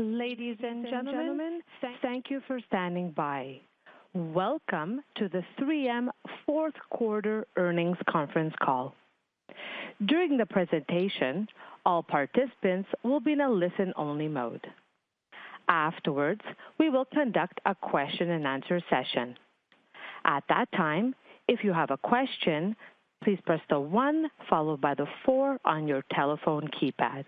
Ladies and gentlemen, thank you for standing by. Welcome to the 3M fourth quarter earnings conference call. During the presentation, all participants will be in a listen-only mode. Afterwards, we will conduct a question-and-answer session. At that time, if you have a question, please press the one followed by the four on your telephone keypad.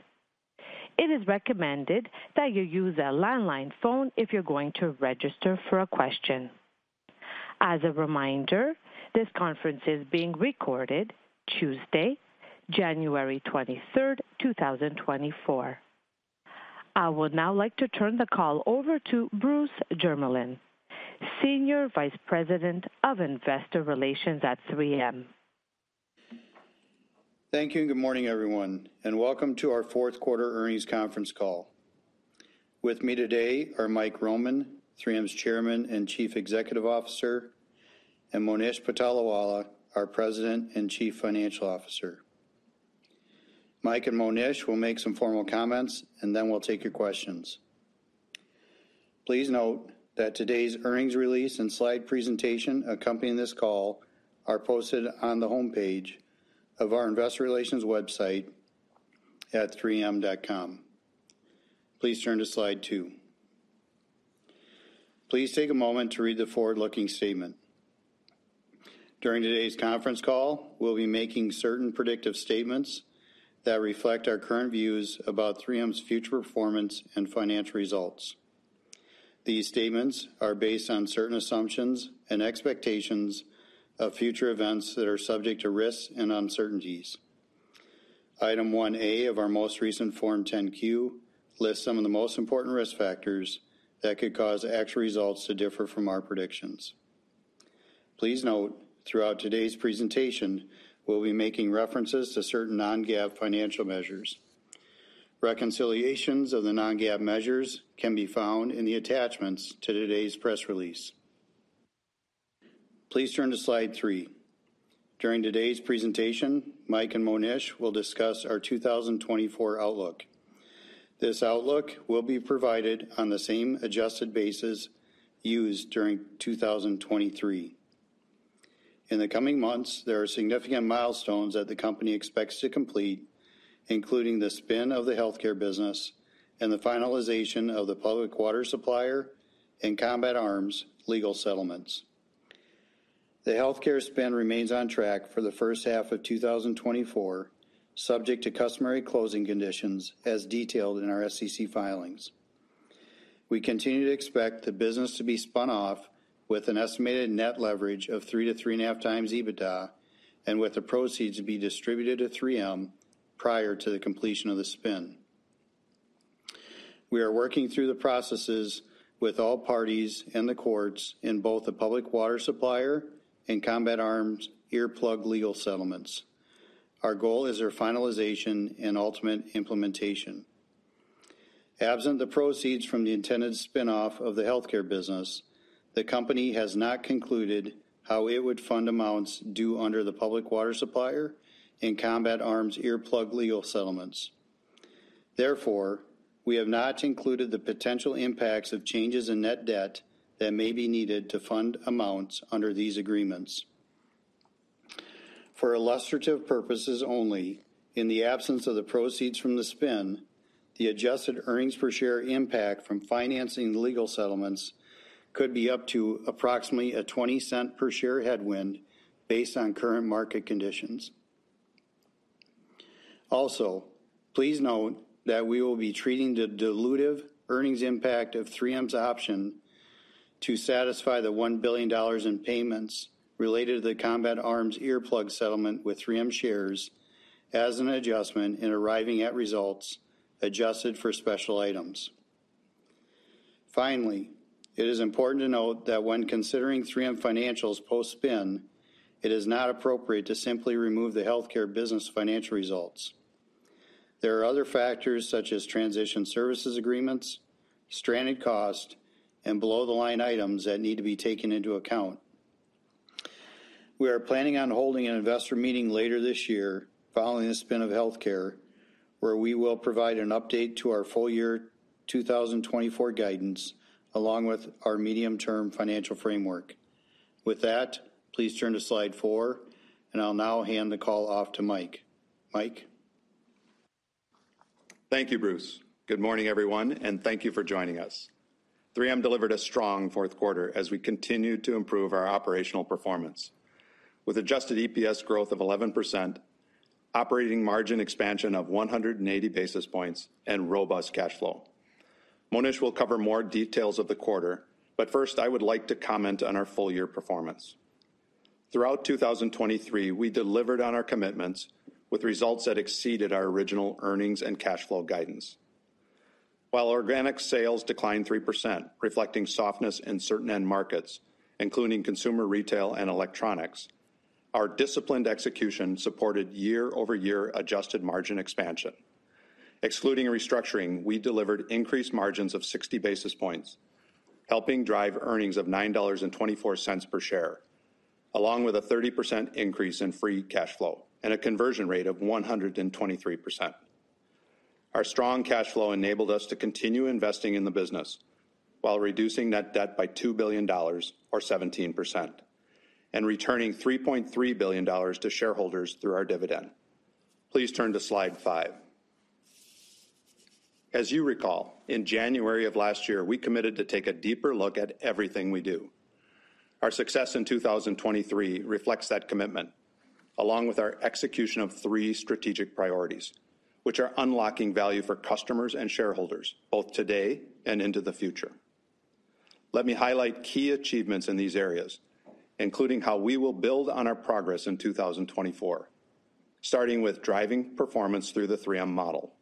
It is recommended that you use a landline phone if you're going to register for a question. As a reminder, this conference is being recorded Tuesday, January 23rd, 2024. I would now like to turn the call over to Bruce Jermeland, Senior Vice President of Investor Relations at 3M. Thank you, and good morning, everyone, and welcome to our fourth quarter earnings conference call. With me today are Mike Roman, 3M's Chairman and Chief Executive Officer, and Monish Patolawala, our President and Chief Financial Officer. Mike and Monish will make some formal comments, and then we'll take your questions. Please note that today's earnings release and slide presentation accompanying this call are posted on the homepage of our investor relations website at 3M.com. Please turn to slide two. Please take a moment to read the forward-looking statement. During today's conference call, we'll be making certain predictive statements that reflect our current views about 3M's future performance and financial results. These statements are based on certain assumptions and expectations of future events that are subject to risks and uncertainties. Item 1A of our most recent Form 10-Q lists some of the most important risk factors that could cause actual results to differ from our predictions. Please note, throughout today's presentation, we'll be making references to certain non-GAAP financial measures. Reconciliations of the non-GAAP measures can be found in the attachments to today's press release. Please turn to slide three. During today's presentation, Mike and Monish will discuss our 2024 outlook. This outlook will be provided on the same adjusted basis used during 2023. In the coming months, there are significant milestones that the company expects to complete, including the spin of the healthcare business and the finalization of the Public Water Supplier and Combat Arms legal settlements. The healthcare spin remains on track for the first half of 2024, subject to customary closing conditions as detailed in our SEC filings. We continue to expect the business to be spun off with an estimated net leverage of 3-3.5 times EBITDA, and with the proceeds to be distributed to 3M prior to the completion of the spin. We are working through the processes with all parties and the courts in both the Public Water Supplier and Combat Arms earplug legal settlements. Our goal is their finalization and ultimate implementation. Absent the proceeds from the intended spin-off of the healthcare business, the company has not concluded how it would fund amounts due under the Public Water Supplier and Combat Arms earplug legal settlements. Therefore, we have not included the potential impacts of changes in net debt that may be needed to fund amounts under these agreements. For illustrative purposes only, in the absence of the proceeds from the spin, the adjusted earnings per share impact from financing the legal settlements could be up to approximately a $0.20 per share headwind based on current market conditions. Also, please note that we will be treating the dilutive earnings impact of 3M's option to satisfy the $1 billion in payments related to the Combat Arms Earplug Settlement with 3M shares as an adjustment in arriving at results adjusted for special items. Finally, it is important to note that when considering 3M financials post-spin, it is not appropriate to simply remove the healthcare business financial results. There are other factors such as transition services agreements, stranded cost, and below-the-line items that need to be taken into account. We are planning on holding an investor meeting later this year, following the spin of healthcare, where we will provide an update to our full year 2024 guidance, along with our medium-term financial framework. With that, please turn to slide four, and I'll now hand the call off to Mike. Mike? Thank you, Bruce. Good morning, everyone, and thank you for joining us. 3M delivered a strong fourth quarter as we continued to improve our operational performance. With adjusted EPS growth of 11%, operating margin expansion of 180 basis points, and robust cash flow. Monish will cover more details of the quarter, but first, I would like to comment on our full-year performance. Throughout 2023, we delivered on our commitments with results that exceeded our original earnings and cash flow guidance. While organic sales declined 3%, reflecting softness in certain end markets, including Consumer retail and electronics, our disciplined execution supported year-over-year adjusted margin expansion. Excluding restructuring, we delivered increased margins of 60 basis points, helping drive earnings of $9.24 per share.... Along with a 30% increase in free cash flow and a conversion rate of 123%. Our strong cash flow enabled us to continue investing in the business while reducing net debt by $2 billion or 17%, and returning $3.3 billion to shareholders through our dividend. Please turn to slide five. As you recall, in January of last year, we committed to take a deeper look at everything we do. Our success in 2023 reflects that commitment, along with our execution of three strategic priorities, which are unlocking value for customers and shareholders, both today and into the future. Let me highlight key achievements in these areas, including how we will build on our progress in 2024, starting with driving performance through the 3M model.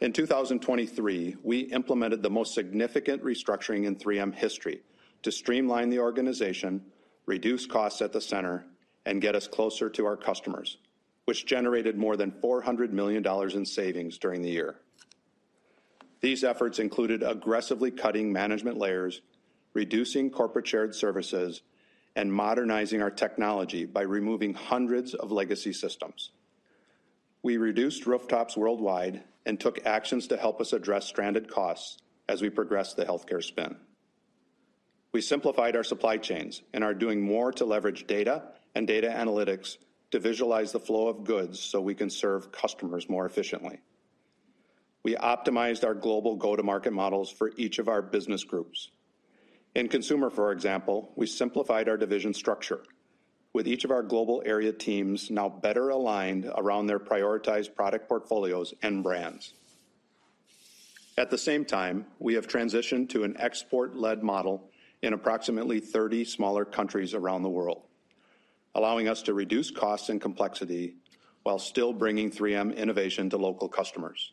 In 2023, we implemented the most significant restructuring in 3M history to streamline the organization, reduce costs at the center, and get us closer to our customers, which generated more than $400 million in savings during the year. These efforts included aggressively cutting management layers, reducing corporate shared services, and modernizing our technology by removing hundreds of legacy systems. We reduced rooftops worldwide and took actions to help us address stranded costs as we progressed the healthcare spin. We simplified our supply chains and are doing more to leverage data and data analytics to visualize the flow of goods so we can serve customers more efficiently. We optimized our global go-to-market models for each of our business groups. In Consumer, for example, we simplified our division structure, with each of our global area teams now better aligned around their prioritized product portfolios and brands. At the same time, we have transitioned to an export-led model in approximately 30 smaller countries around the world, allowing us to reduce costs and complexity while still bringing 3M innovation to local customers.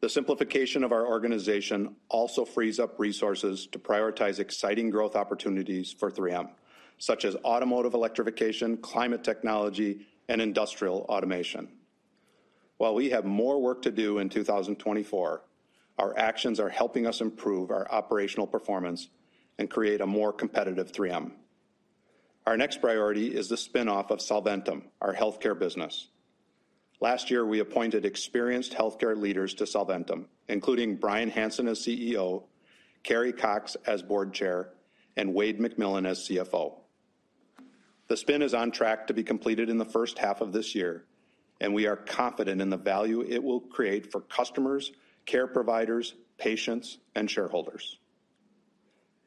The simplification of our organization also frees up resources to prioritize exciting growth opportunities for 3M, such as automotive electrification, climate technology, and industrial automation. While we have more work to do in 2024, our actions are helping us improve our operational performance and create a more competitive 3M. Our next priority is the spin-off of Solventum, our healthcare business. Last year, we appointed experienced healthcare leaders to Solventum, including Bryan Hanson as CEO, Carrie Cox as board chair, and Wayde McMillan as CFO. The spin is on track to be completed in the first half of this year, and we are confident in the value it will create for customers, care providers, patients, and shareholders.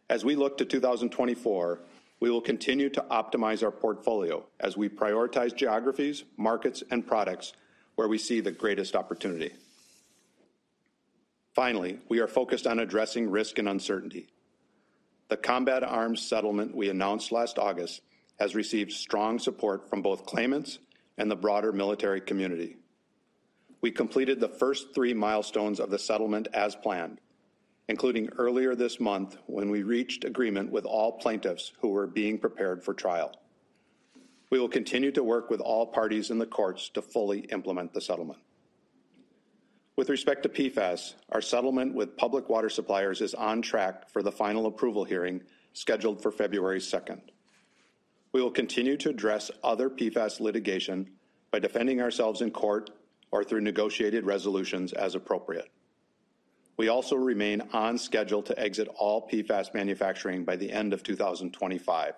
As we look to 2024, we will continue to optimize our portfolio as we prioritize geographies, markets, and products where we see the greatest opportunity. Finally, we are focused on addressing risk and uncertainty. The Combat Arms settlement we announced last August has received strong support from both claimants and the broader military community. We completed the first three milestones of the settlement as planned, including earlier this month, when we reached agreement with all plaintiffs who were being prepared for trial. We will continue to work with all parties in the courts to fully implement the settlement. With respect to PFAS, our settlement with Public Water Suppliers is on track for the final approval hearing, scheduled for February 2. We will continue to address other PFAS litigation by defending ourselves in court or through negotiated resolutions as appropriate. We also remain on schedule to exit all PFAS manufacturing by the end of 2025,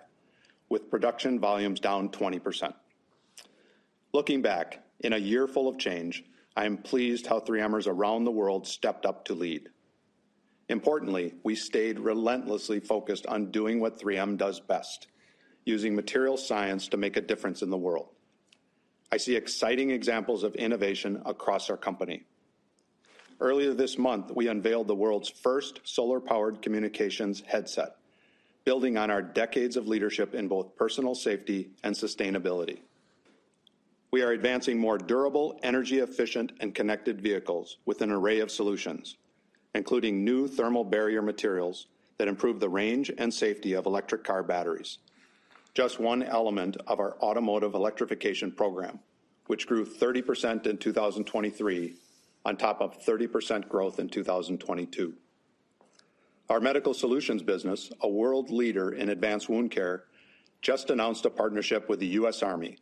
with production volumes down 20%. Looking back, in a year full of change, I am pleased how 3Mers around the world stepped up to lead. Importantly, we stayed relentlessly focused on doing what 3M does best, using material science to make a difference in the world. I see exciting examples of innovation across our company. Earlier this month, we unveiled the world's first solar-powered communications headset, building on our decades of leadership in both personal safety and sustainability. We are advancing more durable, energy-efficient, and connected vehicles with an array of solutions, including new thermal barrier materials that improve the range and safety of electric car batteries. Just one element of our automotive electrification program, which grew 30% in 2023 on top of 30% growth in 2022. Our Medical Solutions business, a world leader in advanced wound care, just announced a partnership with the U.S. Army,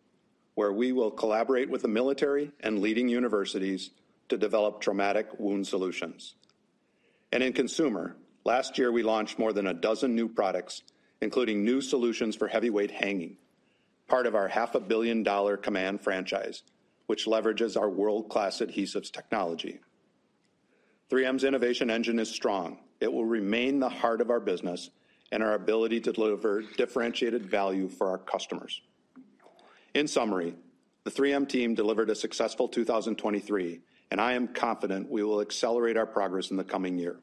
where we will collaborate with the military and leading universities to develop traumatic wound solutions. And in Consumer, last year, we launched more than a dozen new products, including new solutions for heavyweight hanging, part of our $500 million Command franchise, which leverages our world-class adhesives technology. 3M's innovation engine is strong. It will remain the heart of our business and our ability to deliver differentiated value for our customers. In summary, the 3M team delivered a successful 2023, and I am confident we will accelerate our progress in the coming year.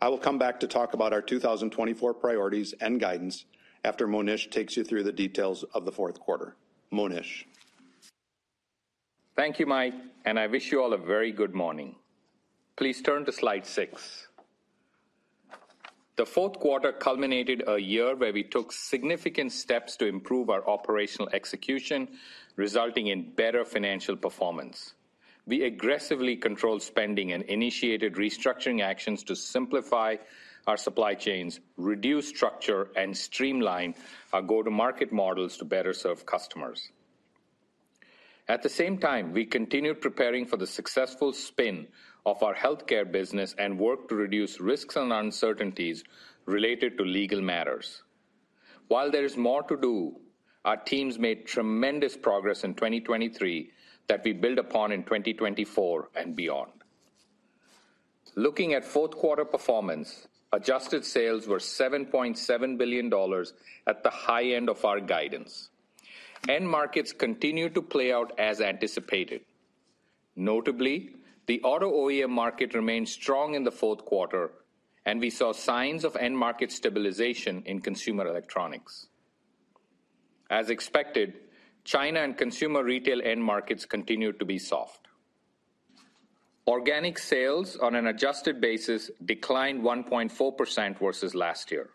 I will come back to talk about our 2024 priorities and guidance after Monish takes you through the details of the fourth quarter. Monish? Thank you, Mike, and I wish you all a very good morning. Please turn to slide six. The fourth quarter culminated a year where we took significant steps to improve our operational execution, resulting in better financial performance. We aggressively controlled spending and initiated restructuring actions to simplify our supply chains, reduce structure, and streamline our go-to-market models to better serve customers. At the same time, we continued preparing for the successful spin of our healthcare business and worked to reduce risks and uncertainties related to legal matters. While there is more to do, our teams made tremendous progress in 2023 that we build upon in 2024 and beyond. Looking at fourth quarter performance, adjusted sales were $7.7 billion at the high end of our guidance. End markets continued to play out as anticipated. Notably, the auto OEM market remained strong in the fourth quarter, and we saw signs of end market stabilization in Consumer electronics. As expected, China and Consumer retail end markets continued to be soft. Organic sales on an adjusted basis declined 1.4% versus last year.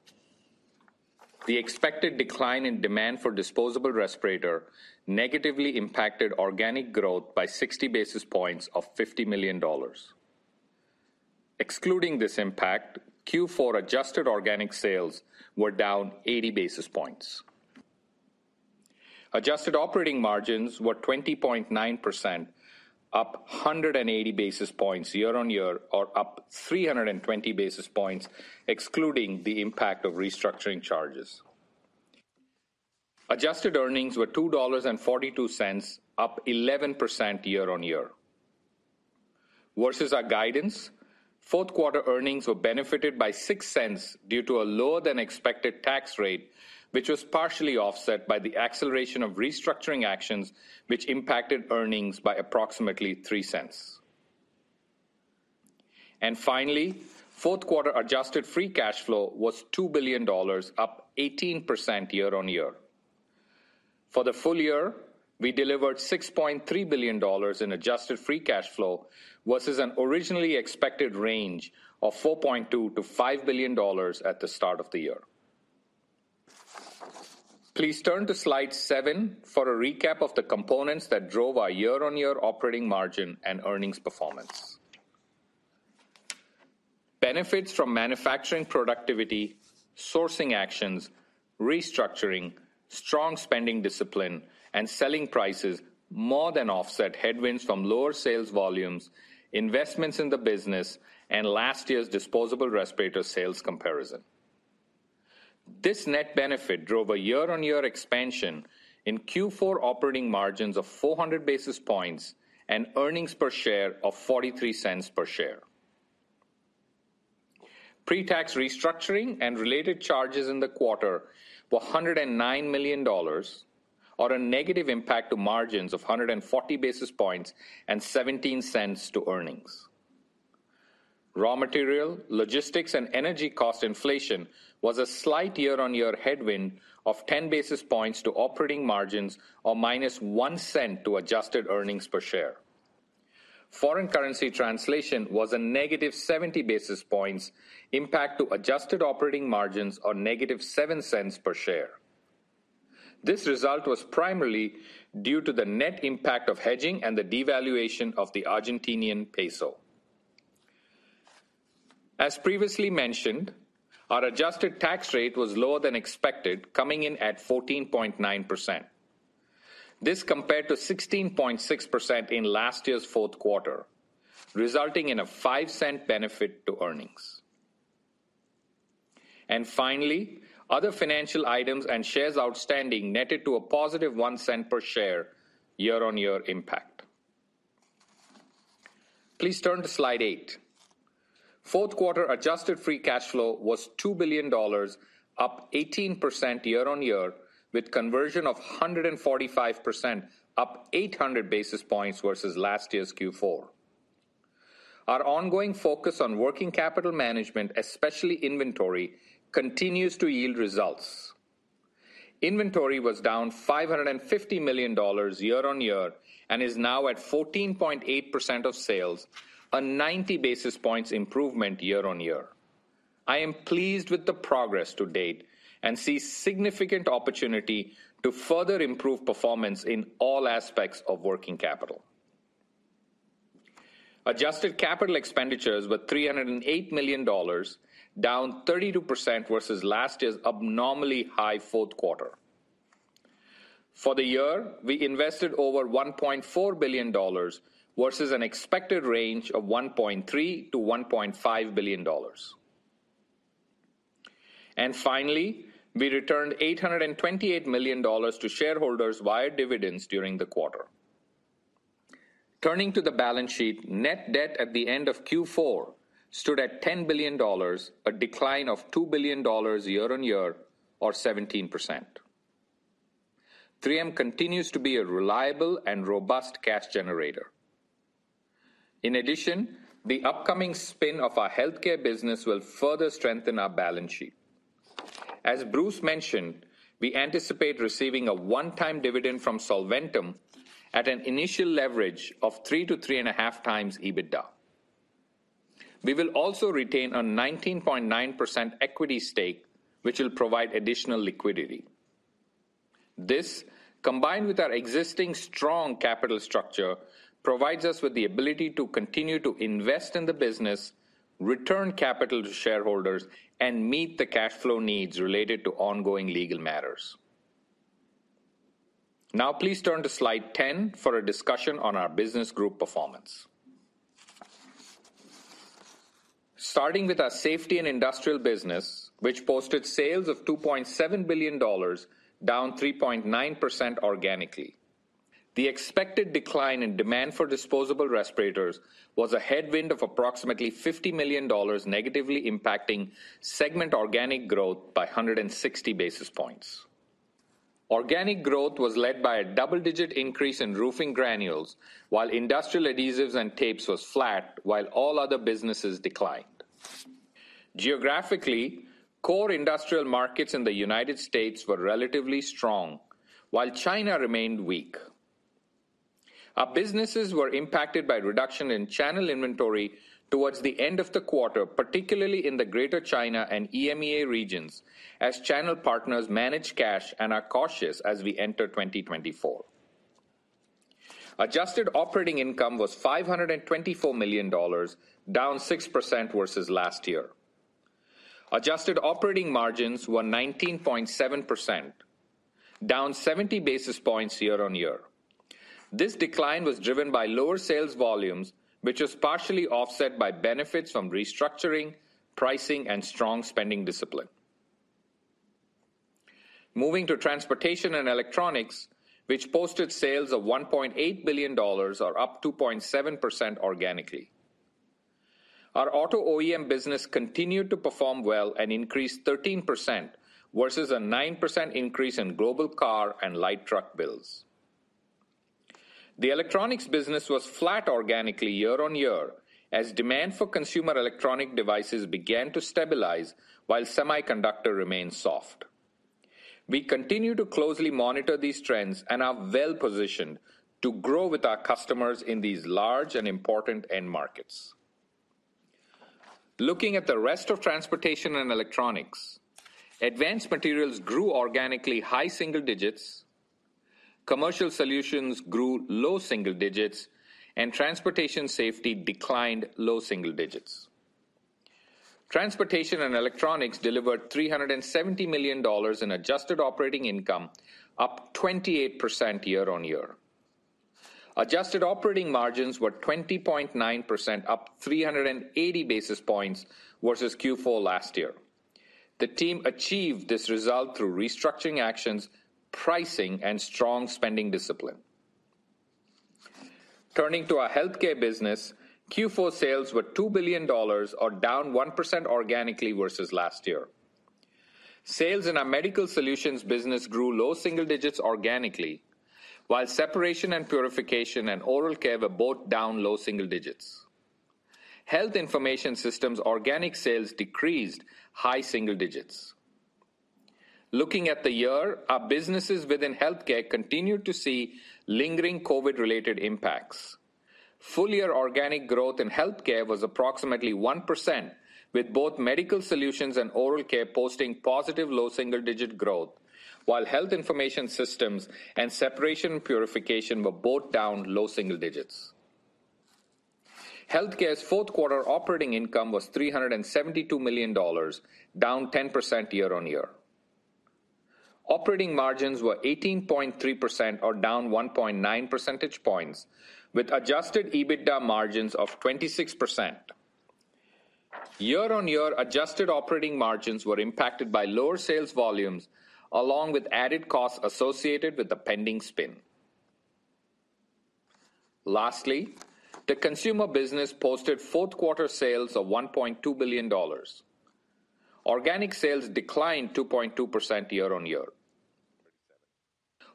The expected decline in demand for disposable respirators negatively impacted organic growth by 60 basis points of $50 million. Excluding this impact, Q4 adjusted organic sales were down 80 basis points. Adjusted operating margins were 20.9%, up 180 basis points year-on-year, or up 320 basis points, excluding the impact of restructuring charges. Adjusted earnings were $2.42, up 11% year-on-year. Versus our guidance, fourth quarter earnings were benefited by $0.06 due to a lower-than-expected tax rate, which was partially offset by the acceleration of restructuring actions, which impacted earnings by approximately $0.03. And finally, fourth quarter adjusted free cash flow was $2 billion, up 18% year-on-year. For the full year, we delivered $6.3 billion in adjusted free cash flow versus an originally expected range of $4.2 billion-$5 billion at the start of the year. Please turn to slide seven for a recap of the components that drove our year-on-year operating margin and earnings performance. Benefits from manufacturing productivity, sourcing actions, restructuring, strong spending discipline, and selling prices more than offset headwinds from lower sales volumes, investments in the business, and last year's disposable respirators sales comparison. This net benefit drove a year-on-year expansion in Q4 operating margins of 400 basis points and earnings per share of $0.43 per share. Pre-tax restructuring and related charges in the quarter were $109 million or a negative impact to margins of 140 basis points and 17 cents to earnings. Raw material, logistics, and energy cost inflation was a slight year-on-year headwind of 10 basis points to operating margins or minus $0.01 to adjusted earnings per share. Foreign currency translation was a -70 basis points impact to adjusted operating margins or -$0.07 per share. This result was primarily due to the net impact of hedging and the devaluation of the Argentine peso. As previously mentioned, our adjusted tax rate was lower than expected, coming in at 14.9%. This compared to 16.6% in last year's fourth quarter, resulting in a $0.05 benefit to earnings. Finally, other financial items and shares outstanding netted to a positive $0.01 per share year-on-year impact. Please turn to slide eight. Fourth quarter adjusted free cash flow was $2 billion, up 18% year-on-year, with conversion of 145%, up 800 basis points versus last year's Q4. Our ongoing focus on working capital management, especially inventory, continues to yield results. Inventory was down $550 million year-on-year and is now at 14.8% of sales, a 90 basis points improvement year-on-year. I am pleased with the progress to date and see significant opportunity to further improve performance in all aspects of working capital. Adjusted capital expenditures were $308 million, down 32% versus last year's abnormally high fourth quarter. For the year, we invested over $1.4 billion, versus an expected range of $1.3 billion-$1.5 billion. And finally, we returned $828 million to shareholders via dividends during the quarter. Turning to the balance sheet, net debt at the end of Q4 stood at $10 billion, a decline of $2 billion year-on-year, or 17%. 3M continues to be a reliable and robust cash generator. In addition, the upcoming spin of our healthcare business will further strengthen our balance sheet. As Bruce mentioned, we anticipate receiving a one-time dividend from Solventum at an initial leverage of 3-3.5 times EBITDA. We will also retain a 19.9% equity stake, which will provide additional liquidity. This, combined with our existing strong capital structure, provides us with the ability to continue to invest in the business, return capital to shareholders, and meet the cash flow needs related to ongoing legal matters. Now please turn to slide 10 for a discussion on our business group performance. Starting with our Safety and Industrial business, which posted sales of $2.7 billion, down 3.9% organically. The expected decline in demand for disposable respirators was a headwind of approximately $50 million, negatively impacting segment organic growth by 160 basis points. Organic growth was led by a double-digit increase in Roofing Granules, while Industrial Adhesives and Tapes was flat, while all other businesses declined. Geographically, core industrial markets in the United States were relatively strong, while China remained weak. Our businesses were impacted by reduction in channel inventory towards the end of the quarter, particularly in the Greater China and EMEA regions, as channel partners manage cash and are cautious as we enter 2024. Adjusted operating income was $524 million, down 6% versus last year. Adjusted operating margins were 19.7%, down 70 basis points year-on-year. This decline was driven by lower sales volumes, which was partially offset by benefits from restructuring, pricing, and strong spending discipline. Moving to Transportation and Electronics, which posted sales of $1.8 billion, or up 2.7% organically. Our auto OEM business continued to perform well and increased 13% versus a 9% increase in global car and light truck builds. The electronics business was flat organically year-on-year, as demand for Consumer electronic devices began to stabilize while semiconductors remained soft. We continue to closely monitor these trends and are well positioned to grow with our customers in these large and important end markets. Looking at the rest of Transportation and Electronics, Advanced Materials grew organically high single digits, Commercial Solutions grew low single digits, and Transportation Safety declined low single digits. Transportation and Electronics delivered $370 million in adjusted operating income, up 28% year-on-year. Adjusted operating margins were 20.9%, up 380 basis points versus Q4 last year. The team achieved this result through restructuring actions, pricing, and strong spending discipline. Turning to our Healthcare business, Q4 sales were $2 billion, or down 1% organically versus last year. Sales in our Medical Solutions business grew low single digits organically, while Separation and Purification and Oral Care were both down low single digits. Health Information Systems organic sales decreased high single digits. Looking at the year, our businesses within healthcare continued to see lingering COVID-related impacts. Full-year organic growth in healthcare was approximately 1%, with both Medical Solutions and Oral Care posting positive low double single-digit growth, while Health Information Systems and Separation and Purification were both down low single digits. Healthcare's fourth quarter operating income was $372 million, down 10% year-on-year. Operating margins were 18.3%, or down 1.9 percentage points, with adjusted EBITDA margins of 26%. Year-on-year adjusted operating margins were impacted by lower sales volumes, along with added costs associated with the pending spin. Lastly, the Consumer business posted fourth quarter sales of $1.2 billion. Organic sales declined 2.2% year-on-year.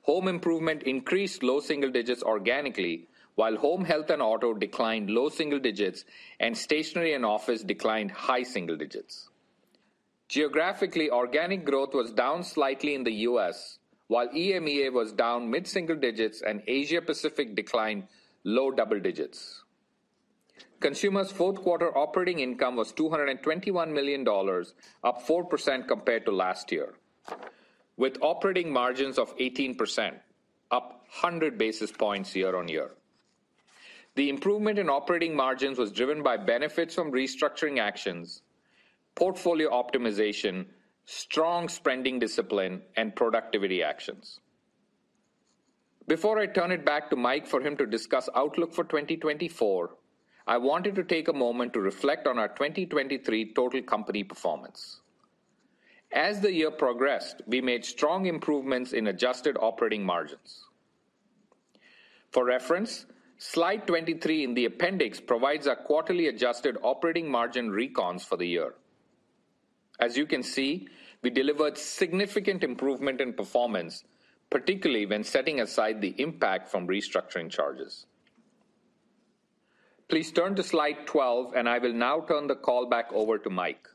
Home Improvement increased low single digits organically, while Home Health and Auto declined low single digits, and Stationery and Office declined high single digits. Geographically, organic growth was down slightly in the US, while EMEA was down mid-single digits and Asia Pacific declined low double digits. Consumer's fourth quarter operating income was $221 million, up 4% compared to last year, with operating margins of 18%, up 100 basis points year-on-year. The improvement in operating margins was driven by benefits from restructuring actions, portfolio optimization, strong spending discipline, and productivity actions. Before I turn it back to Mike for him to discuss outlook for 2024, I wanted to take a moment to reflect on our 2023 total company performance. As the year progressed, we made strong improvements in adjusted operating margins. For reference, slide 23 in the appendix provides our quarterly adjusted operating margin recons for the year. As you can see, we delivered significant improvement in performance, particularly when setting aside the impact from restructuring charges. Please turn to slide 12, and I will now turn the call back over to Mike.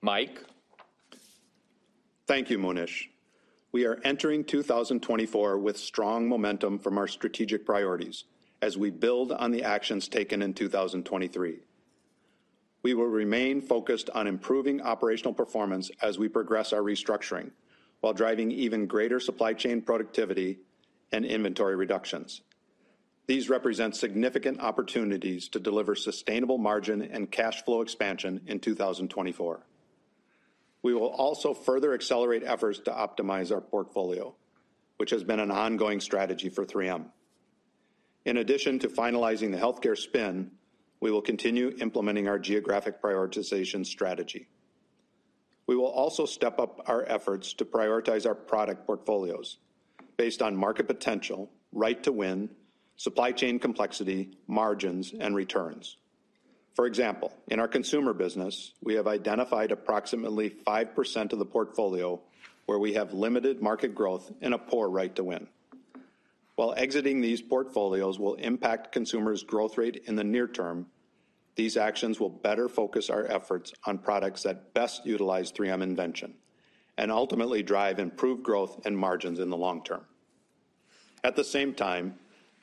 Mike? Thank you, Monish. We are entering 2024 with strong momentum from our strategic priorities as we build on the actions taken in 2023. We will remain focused on improving operational performance as we progress our restructuring, while driving even greater supply chain productivity and inventory reductions. These represent significant opportunities to deliver sustainable margin and cash flow expansion in 2024. We will also further accelerate efforts to optimize our portfolio, which has been an ongoing strategy for 3M. In addition to finalizing the healthcare spin, we will continue implementing our geographic prioritization strategy. We will also step up our efforts to prioritize our product portfolios based on market potential, right to win, supply chain complexity, margins, and returns. For example, in our Consumer business, we have identified approximately 5% of the portfolio where we have limited market growth and a poor right to win. While exiting these portfolios will impact Consumers' growth rate in the near term, these actions will better focus our efforts on products that best utilize 3M invention and ultimately drive improved growth and margins in the long term. At the same time,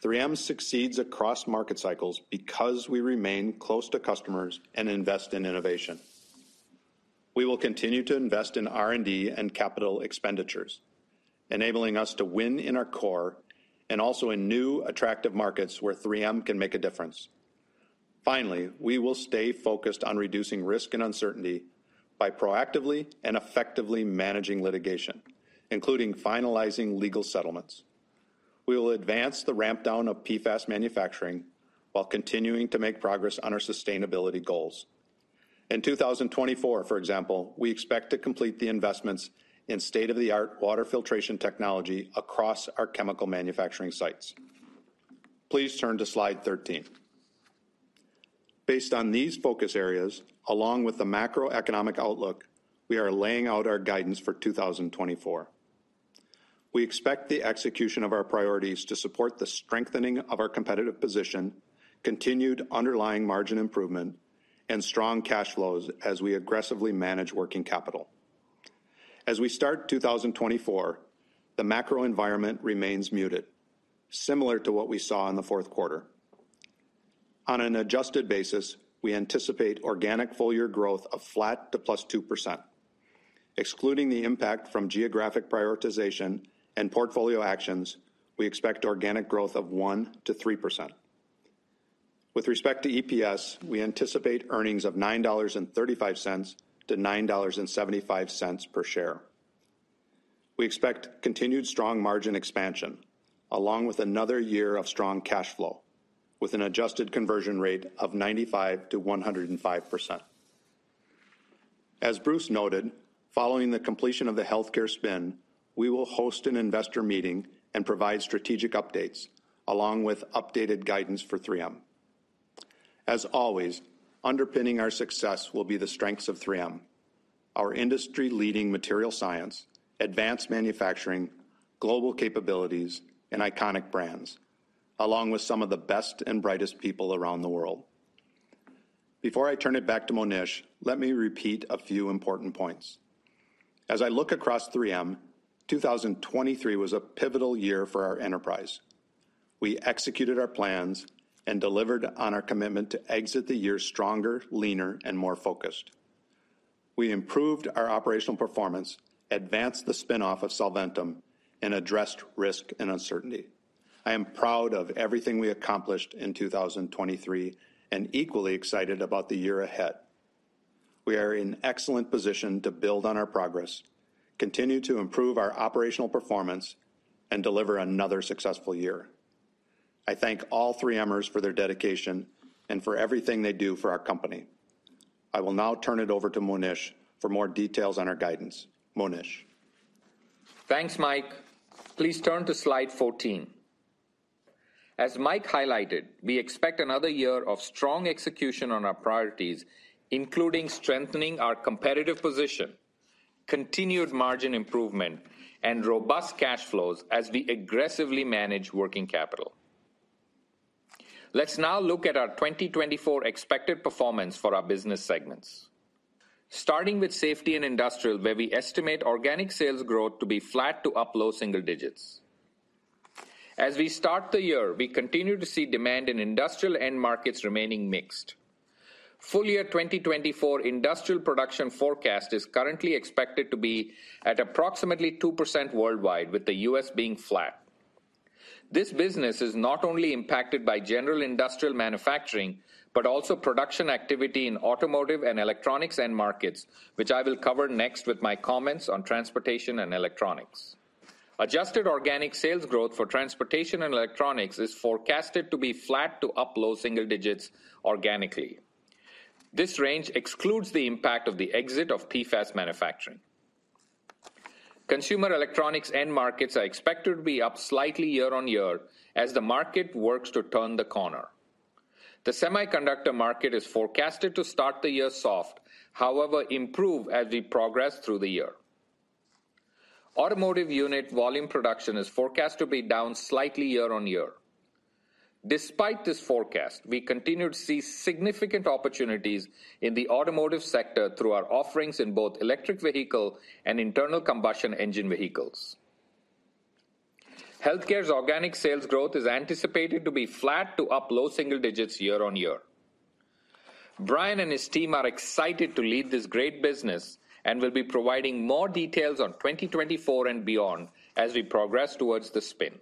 3M succeeds across market cycles because we remain close to customers and invest in innovation. We will continue to invest in R&D and capital expenditures, enabling us to win in our core and also in new attractive markets where 3M can make a difference. Finally, we will stay focused on reducing risk and uncertainty by proactively and effectively managing litigation, including finalizing legal settlements. We will advance the ramp down of PFAS manufacturing while continuing to make progress on our sustainability goals. In 2024, for example, we expect to complete the investments in state-of-the-art water filtration technology across our chemical manufacturing sites. Please turn to slide 13. Based on these focus areas, along with the macroeconomic outlook, we are laying out our guidance for 2024. We expect the execution of our priorities to support the strengthening of our competitive position, continued underlying margin improvement, and strong cash flows as we aggressively manage working capital. As we start 2024, the macro environment remains muted, similar to what we saw in the fourth quarter. On an adjusted basis, we anticipate organic full-year growth of flat to +2%. Excluding the impact from geographic prioritization and portfolio actions, we expect organic growth of 1%-3%. With respect to EPS, we anticipate earnings of $9.35-$9.75 per share. We expect continued strong margin expansion, along with another year of strong cash flow, with an adjusted conversion rate of 95%-105%. As Bruce noted, following the completion of the healthcare spin, we will host an investor meeting and provide strategic updates, along with updated guidance for 3M. As always, underpinning our success will be the strengths of 3M, our industry-leading materials science, advanced manufacturing, global capabilities, and iconic brands, along with some of the best and brightest people around the world. Before I turn it back to Monish, let me repeat a few important points. As I look across 3M, 2023 was a pivotal year for our enterprise. We executed our plans and delivered on our commitment to exit the year stronger, leaner, and more focused. We improved our operational performance, advanced the spin-off of Solventum, and addressed risk and uncertainty. I am proud of everything we accomplished in 2023, and equally excited about the year ahead. We are in excellent position to build on our progress, continue to improve our operational performance, and deliver another successful year. I thank all 3Mers for their dedication and for everything they do for our company. I will now turn it over to Monish for more details on our guidance. Monish? Thanks, Mike. Please turn to slide 14. As Mike highlighted, we expect another year of strong execution on our priorities, including strengthening our competitive position, continued margin improvement, and robust cash flows as we aggressively manage working capital. Let's now look at our 2024 expected performance for our business segments. Starting with Safety and Industrial, where we estimate organic sales growth to be flat to up low single digits. As we start the year, we continue to see demand in industrial end markets remaining mixed. Full year 2024 industrial production forecast is currently expected to be at approximately 2% worldwide, with the U.S. being flat. This business is not only impacted by general industrial manufacturing, but also production activity in automotive and electronics end markets, which I will cover next with my comments on Transportation and Electronics. Adjusted organic sales growth for Transportation and Electronics is forecasted to be flat to up low single digits organically. This range excludes the impact of the exit of PFAS manufacturing. Consumer electronics end markets are expected to be up slightly year-on-year as the market works to turn the corner. The semiconductors market is forecasted to start the year soft, however, improve as we progress through the year. Automotive unit volume production is forecast to be down slightly year-on-year. Despite this forecast, we continue to see significant opportunities in the automotive sector through our offerings in both electric vehicle and internal combustion engine vehicles. Healthcare's organic sales growth is anticipated to be flat to up low single digits year-on-year. Bryan and his team are excited to lead this great business and will be providing more details on 2024 and beyond as we progress towards the spin.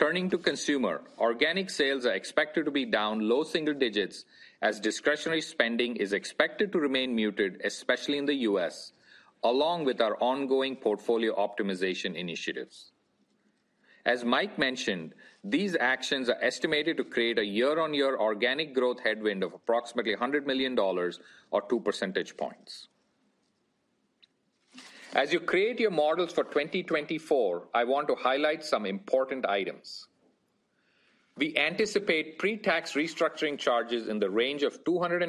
Turning to Consumer, organic sales are expected to be down low single digits, as discretionary spending is expected to remain muted, especially in the U.S., along with our ongoing portfolio optimization initiatives. As Mike mentioned, these actions are estimated to create a year-on-year organic growth headwind of approximately $100 million or 2 percentage points. As you create your models for 2024, I want to highlight some important items. We anticipate pre-tax restructuring charges in the range of $250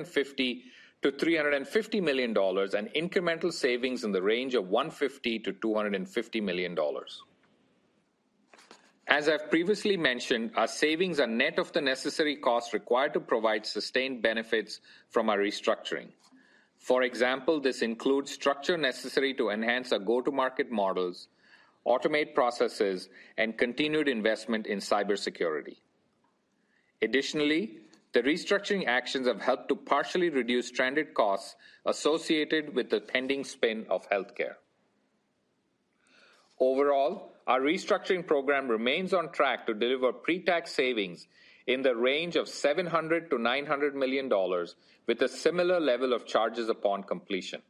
million-$350 million, and incremental savings in the range of $150 million-$250 million. As I've previously mentioned, our savings are net of the necessary costs required to provide sustained benefits from our restructuring. For example, this includes structure necessary to enhance our go-to-market models, automate processes, and continued investment in cybersecurity. Additionally, the restructuring actions have helped to partially reduce stranded costs associated with the pending spin of healthcare. Overall, our restructuring program remains on track to deliver pre-tax savings in the range of $700 million-$900 million, with a similar level of charges upon completion.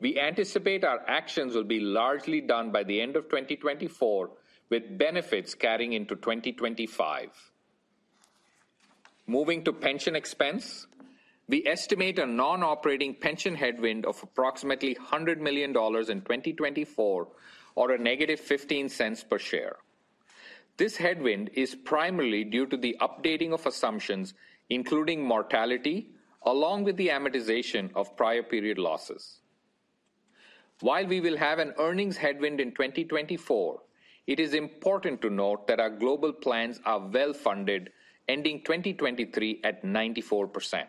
We anticipate our actions will be largely done by the end of 2024, with benefits carrying into 2025. Moving to pension expense, we estimate a non-operating pension headwind of approximately $100 million in 2024, or a negative 15 cents per share. This headwind is primarily due to the updating of assumptions, including mortality, along with the amortization of prior period losses. While we will have an earnings headwind in 2024, it is important to note that our global plans are well funded, ending 2023 at 94%.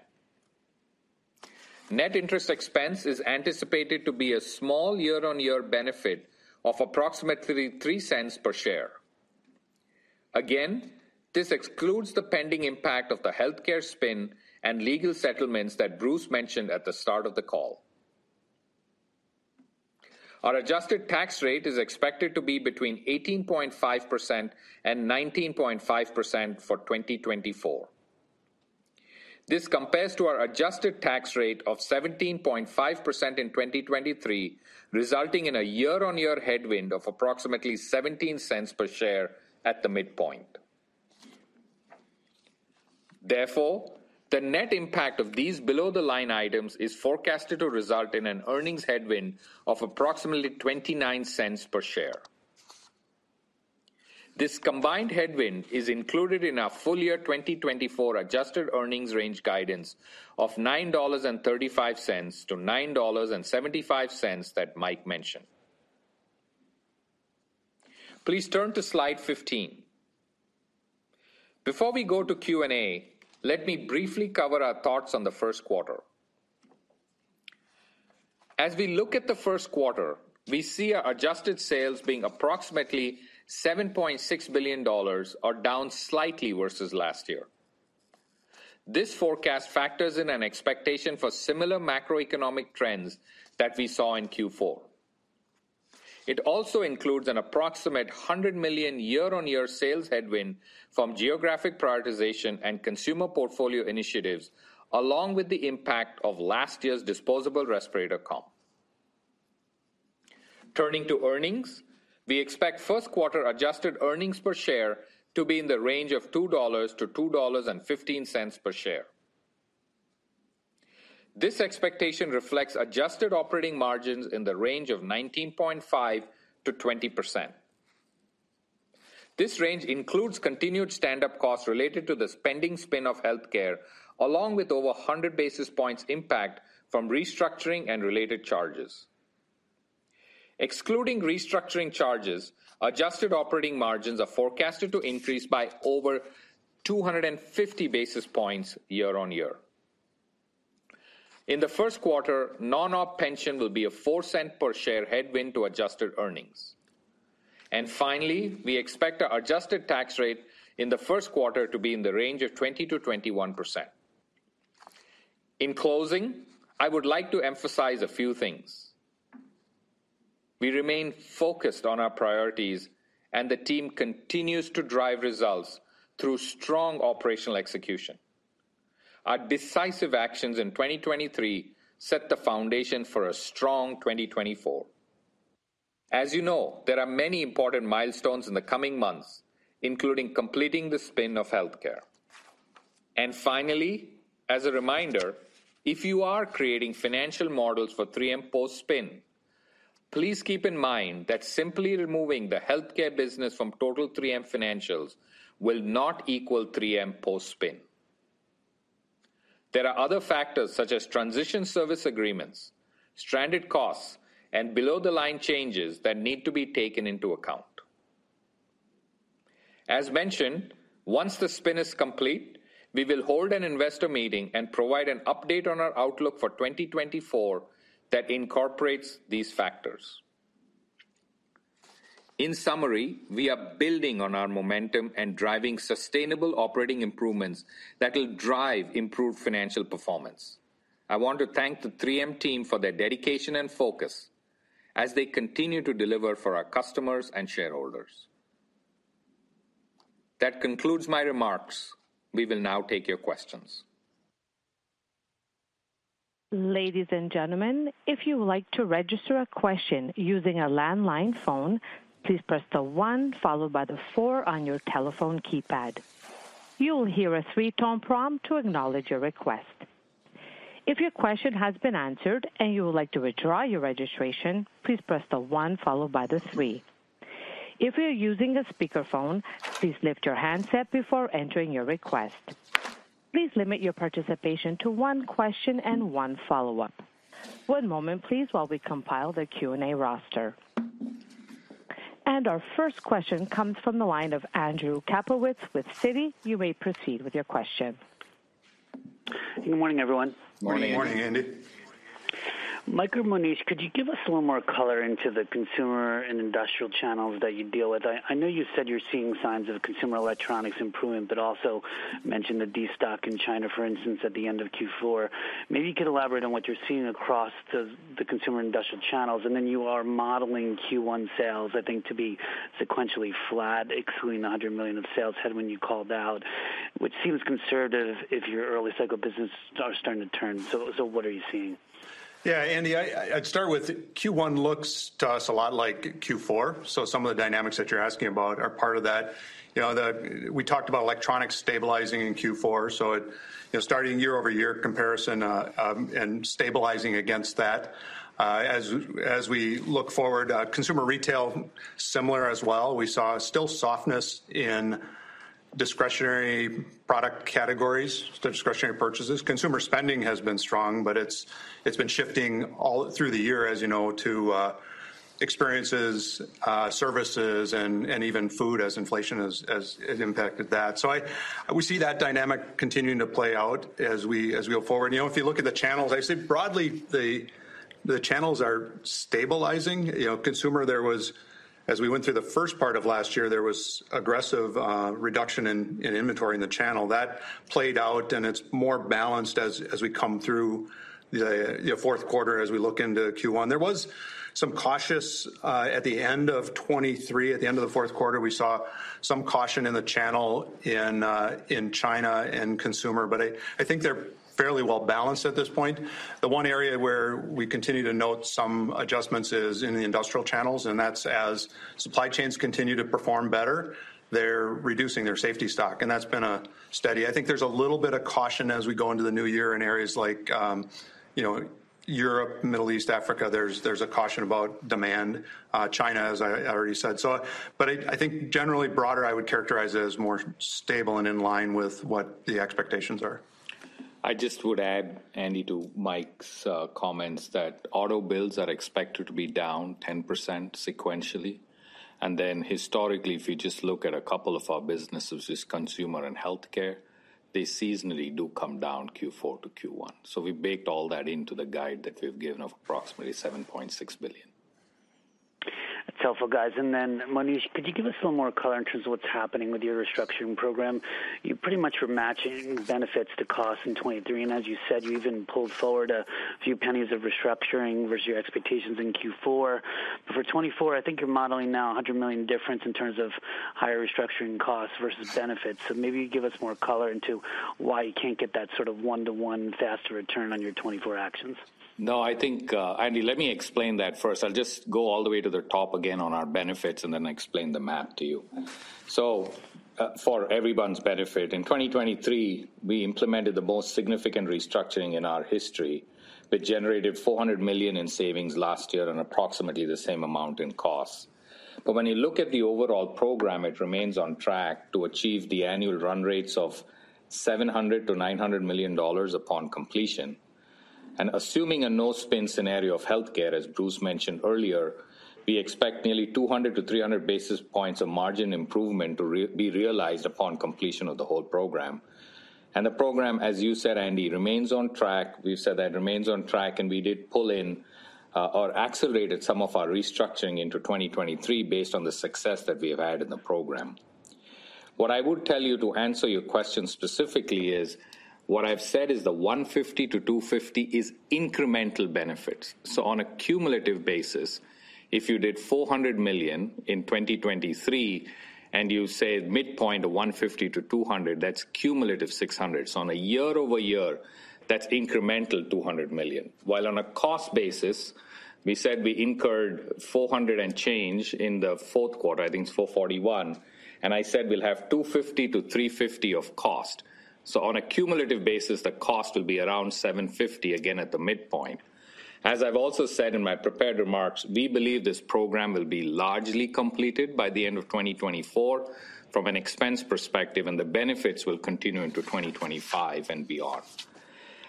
Net interest expense is anticipated to be a small year-on-year benefit of approximately $0.03 per share. Again, this excludes the pending impact of the healthcare spin and legal settlements that Bruce mentioned at the start of the call. Our adjusted tax rate is expected to be between 18.5% and 19.5% for 2024. This compares to our adjusted tax rate of 17.5% in 2023, resulting in a year-on-year headwind of approximately $0.17 per share at the midpoint. Therefore, the net impact of these below-the-line items is forecasted to result in an earnings headwind of approximately $0.29 per share. This combined headwind is included in our full year 2024 adjusted earnings range guidance of $9.35-$9.75 that Mike mentioned. Please turn to slide 15. Before we go to Q&A, let me briefly cover our thoughts on the first quarter. As we look at the first quarter, we see our adjusted sales being approximately $7.6 billion, or down slightly versus last year. This forecast factors in an expectation for similar macroeconomic trends that we saw in Q4. It also includes an approximate $100 million year-on-year sales headwind from geographic prioritization and Consumer portfolio initiatives, along with the impact of last year's disposable respirators comp. Turning to earnings, we expect first quarter adjusted earnings per share to be in the range of $2-$2.15 per share. This expectation reflects adjusted operating margins in the range of 19.5%-20%. This range includes continued stand-up costs related to the spin-off of healthcare, along with over 100 basis points impact from restructuring and related charges. Excluding restructuring charges, adjusted operating margins are forecasted to increase by over 250 basis points year-on-year. In the first quarter, non-op pension will be a $0.04 per share headwind to adjusted earnings. And finally, we expect our adjusted tax rate in the first quarter to be in the range of 20%-21%. In closing, I would like to emphasize a few things. We remain focused on our priorities, and the team continues to drive results through strong operational execution. Our decisive actions in 2023 set the foundation for a strong 2024. As you know, there are many important milestones in the coming months, including completing the spin-off of healthcare. Finally, as a reminder, if you are creating financial models for 3M post-spin, please keep in mind that simply removing the healthcare business from total 3M financials will not equal 3M post-spin. There are other factors, such as transition service agreements, stranded costs, and below-the-line changes that need to be taken into account. As mentioned, once the spin is complete, we will hold an investor meeting and provide an update on our outlook for 2024 that incorporates these factors. In summary, we are building on our momentum and driving sustainable operating improvements that will drive improved financial performance. I want to thank the 3M team for their dedication and focus as they continue to deliver for our customers and shareholders. That concludes my remarks. We will now take your questions. Ladies and gentlemen, if you would like to register a question using a landline phone, please press the one followed by the four on your telephone keypad. You will hear a three-tone prompt to acknowledge your request. If your question has been answered and you would like to withdraw your registration, please press the one followed by the three. If you're using a speakerphone, please lift your handset before entering your request. Please limit your participation to one question and one follow-up. One moment, please, while we compile the Q&A roster. And our first question comes from the line of Andrew Kaplowitz with Citi. You may proceed with your question. Good morning, everyone. Morning, Andy. Morning, Andy. Mike or Monish, could you give us a little more color into the Consumer and industrial channels that you deal with? I, I know you said you're seeing signs of Consumer electronics improving, but also mentioned the destock in China, for instance, at the end of Q4. Maybe you could elaborate on what you're seeing across the, the Consumer industrial channels, and then you are modeling Q1 sales, I think, to be sequentially flat, excluding the $100 million of sales headwind you called out, which seems conservative if your early cycle business are starting to turn. So, so what are you seeing? Yeah, Andy, I, I'd start with Q1 looks to us a lot like Q4, so some of the dynamics that you're asking about are part of that. You know, we talked about electronics stabilizing in Q4, so it, you know, starting year-over-year comparison, and stabilizing against that. As, as we look forward, Consumer retail, similar as well. We saw still softness in discretionary product categories, discretionary purchases. Consumer spending has been strong, but it's, it's been shifting all through the year, as you know, to, experiences, services, and, and even food as inflation has, has, has impacted that. So we see that dynamic continuing to play out as we, as we go forward. You know, if you look at the channels, I'd say broadly, the, the channels are stabilizing. You know, Consumer, there was—as we went through the first part of last year, there was aggressive reduction in inventory in the channel. That played out, and it's more balanced as we come through the, you know, fourth quarter, as we look into Q1. There was some cautious at the end of 2023, at the end of the fourth quarter, we saw some caution in the channel in China and Consumer, but I think they're fairly well balanced at this point. The one area where we continue to note some adjustments is in the industrial channels, and that's as supply chains continue to perform better, they're reducing their safety stock, and that's been a steady. I think there's a little bit of caution as we go into the new year in areas like, you know, Europe, Middle East, Africa. There's a caution about demand, China, as I already said. So, but I think generally broader, I would characterize it as more stable and in line with what the expectations are. I just would add, Andy, to Mike's comments, that auto builds are expected to be down 10% sequentially. And then historically, if you just look at a couple of our businesses, is Consumer and healthcare, they seasonally do come down Q4 to Q1. So we baked all that into the guide that we've given of approximately $7.6 billion. That's helpful, guys. Then, Monish, could you give us a little more color in terms of what's happening with your restructuring program? You pretty much were matching benefits to costs in 2023, and as you said, you even pulled forward a few pennies of restructuring versus your expectations in Q4. But for 2024, I think you're modeling now a $100 million difference in terms of higher restructuring costs versus benefits. So maybe give us more color into why you can't get that sort of one-to-one faster return on your 2024 actions. No, I think, Andy, let me explain that first. I'll just go all the way to the top again on our benefits and then explain the math to you. So, for everyone's benefit, in 2023, we implemented the most significant restructuring in our history, which generated $400 million in savings last year and approximately the same amount in costs. But when you look at the overall program, it remains on track to achieve the annual run rates of $700 million-$900 million upon completion. And assuming a no-spin scenario of healthcare, as Bruce mentioned earlier, we expect nearly 200-300 basis points of margin improvement to be realized upon completion of the whole program. And the program, as you said, Andy, remains on track. We've said that it remains on track, and we did pull in or accelerated some of our restructuring into 2023 based on the success that we have had in the program. What I would tell you to answer your question specifically is, what I've said is the $150 million-$250 million is incremental benefits. So on a cumulative basis, if you did $400 million in 2023, and you said midpoint of $150 million-$200 million, that's cumulative $600 million. So on a year-over-year, that's incremental $200 million. While on a cost basis, we said we incurred $400 million and change in the fourth quarter, I think it's $441 million, and I said we'll have $250 million-$350 million of cost. So on a cumulative basis, the cost will be around $750 million, again, at the midpoint. As I've also said in my prepared remarks, we believe this program will be largely completed by the end of 2024 from an expense perspective, and the benefits will continue into 2025 and beyond.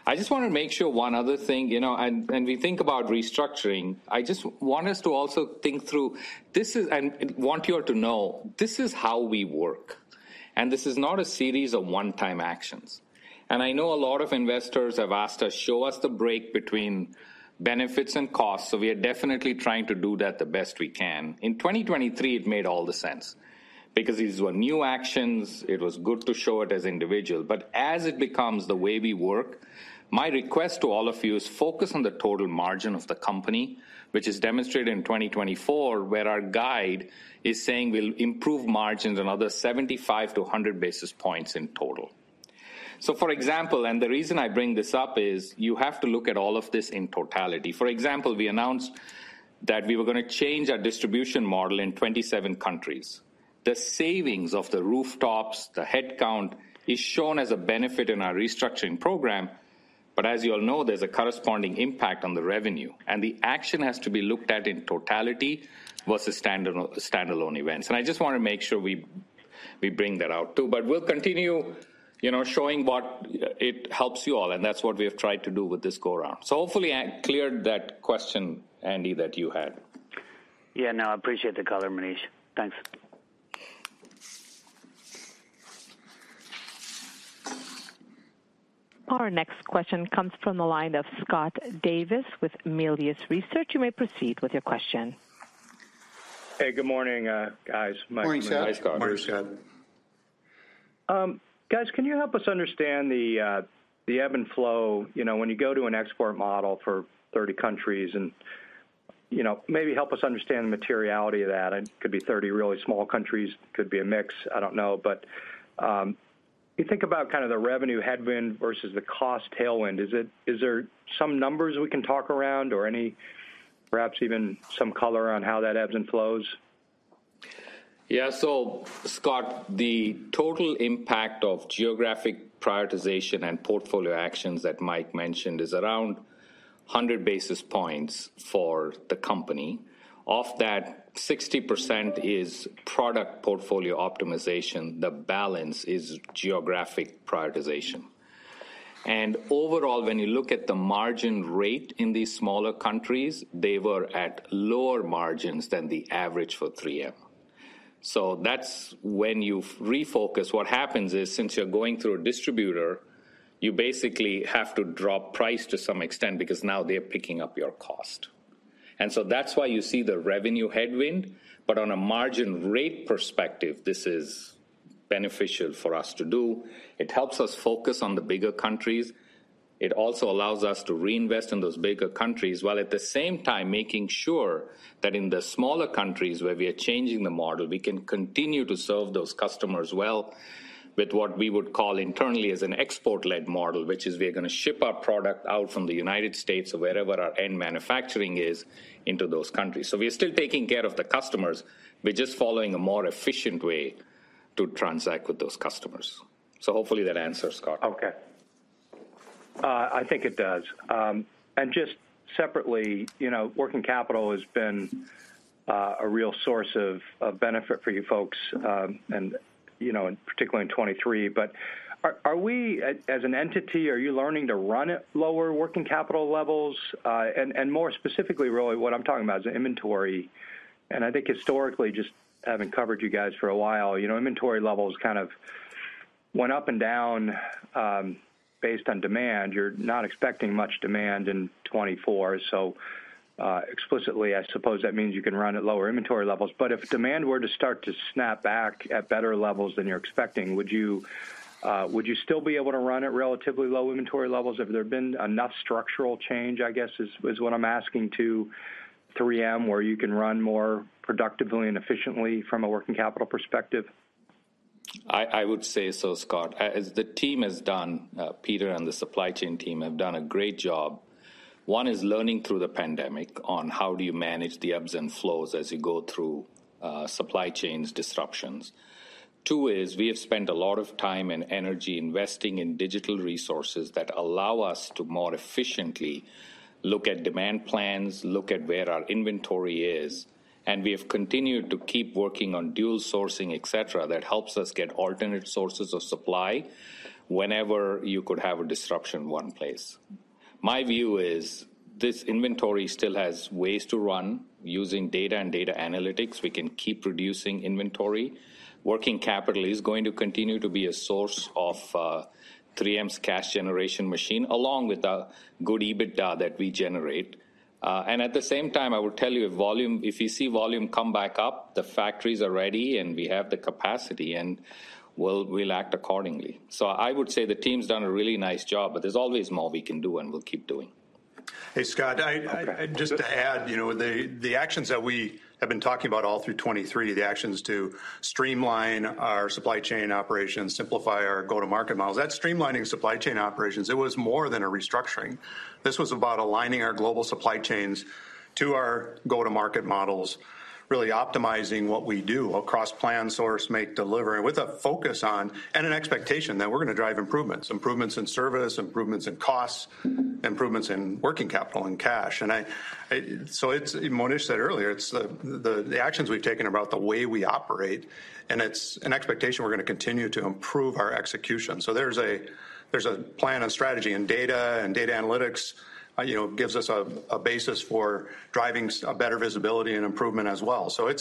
I just want to make sure one other thing, you know, and, and we think about restructuring, I just want us to also think through this is, and want you all to know this is how we work, and this is not a series of one-time actions. And I know a lot of investors have asked us, "Show us the break between benefits and costs." So we are definitely trying to do that the best we can. In 2023, it made all the sense because these were new actions. It was good to show it as individual. But as it becomes the way we work, my request to all of you is focus on the total margin of the company, which is demonstrated in 2024, where our guide is saying we'll improve margins another 75-100 basis points in total. So for example, and the reason I bring this up is: you have to look at all of this in totality. For example, we announced that we were going to change our distribution model in 27 countries. The savings of the rooftops, the headcount, is shown as a benefit in our restructuring program, but as you all know, there's a corresponding impact on the revenue, and the action has to be looked at in totality versus standard, standalone events. And I just want to make sure we bring that out, too. We'll continue, you know, showing what it helps you all, and that's what we have tried to do with this go-around. Hopefully I cleared that question, Andy, that you had. Yeah, no, I appreciate the color, Monish. Thanks. Our next question comes from the line of Scott Davis with Melius Research. You may proceed with your question. Hey, good morning, guys. Morning, Scott. Morning, Scott. Guys, can you help us understand the ebb and flow, you know, when you go to an export model for 30 countries and, you know, maybe help us understand the materiality of that? It could be 30 really small countries, could be a mix, I don't know. But you think about kind of the revenue headwind versus the cost tailwind. Is there some numbers we can talk around or any perhaps even some color on how that ebbs and flows? Yeah. So, Scott, the total impact of geographic prioritization and portfolio actions that Mike mentioned is around 100 basis points for the company. Of that, 60% is product portfolio optimization. The balance is geographic prioritization. And overall, when you look at the margin rate in these smaller countries, they were at lower margins than the average for 3M. So that's when you refocus, what happens is, since you're going through a distributor, you basically have to drop price to some extent because now they're picking up your cost. And so that's why you see the revenue headwind, but on a margin rate perspective, this is beneficial for us to do. It helps us focus on the bigger countries. It also allows us to reinvest in those bigger countries, while at the same time making sure that in the smaller countries where we are changing the model, we can continue to serve those customers well with what we would call internally as an export-led model, which is we are going to ship our product out from the United States or wherever our end manufacturing is, into those countries. So we are still taking care of the customers. We're just following a more efficient way to transact with those customers. So hopefully that answers, Scott. Okay, I think it does. And just separately, you know, working capital has been a real source of benefit for you folks, and you know, particularly in 2023. But are we as an entity, are you learning to run at lower working capital levels? And more specifically, really what I'm talking about is inventory. And I think historically, just having covered you guys for a while, you know, inventory levels kind of went up and down based on demand. You're not expecting much demand in 2024, so explicitly, I suppose that means you can run at lower inventory levels. But if demand were to start to snap back at better levels than you're expecting, would you still be able to run at relatively low inventory levels? Have there been enough structural change, I guess, is what I'm asking to 3M, where you can run more productively and efficiently from a working capital perspective? I, I would say so, Scott. As the team has done, Peter and the supply chain team have done a great job. One is learning through the pandemic on how do you manage the ebbs and flows as you go through, supply chains disruptions. Two is we have spent a lot of time and energy investing in digital resources that allow us to more efficiently look at demand plans, look at where our inventory is, and we have continued to keep working on dual sourcing, et cetera, that helps us get alternate sources of supply whenever you could have a disruption in one place. My view is this inventory still has ways to run. Using data and data analytics, we can keep reducing inventory. Working capital is going to continue to be a source of, 3M's cash generation machine, along with the good EBITDA that we generate. And at the same time, I will tell you, volume, if you see volume come back up, the factories are ready, and we have the capacity, and we'll act accordingly. So I would say the team's done a really nice job, but there's always more we can do and will keep doing. Hey, Scott, I Okay. Just to add, you know, the actions that we have been talking about all through 2023, the actions to streamline our supply chain operations, simplify our go-to-market models, that streamlining supply chain operations, it was more than a restructuring. This was about aligning our global supply chains to our go-to-market models, really optimizing what we do across plan, source, make, deliver, with a focus on, and an expectation that we're gonna drive improvements. Improvements in service, improvements in costs, improvements in working capital and cash. And I, so it's, Monish said earlier, it's the actions we've taken about the way we operate, and it's an expectation we're gonna continue to improve our execution. So there's a plan and strategy, and data and data analytics, you know, gives us a basis for driving a better visibility and improvement as well. So it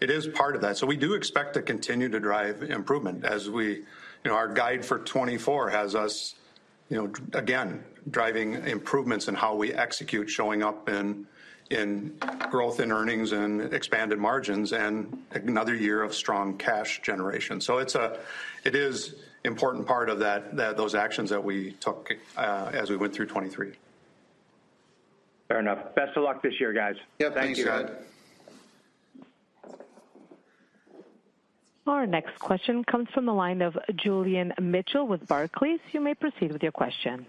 is part of that. So we do expect to continue to drive improvement as we... You know, our guide for 2024 has us, you know, again, driving improvements in how we execute, showing up in growth, in earnings, and expanded margins, and another year of strong cash generation. So it is important part of that, that those actions that we took, as we went through 2023. Fair enough. Best of luck this year, guys. Yeah, thanks, Brad. Thank you. Our next question comes from the line of Julian Mitchell with Barclays. You may proceed with your question.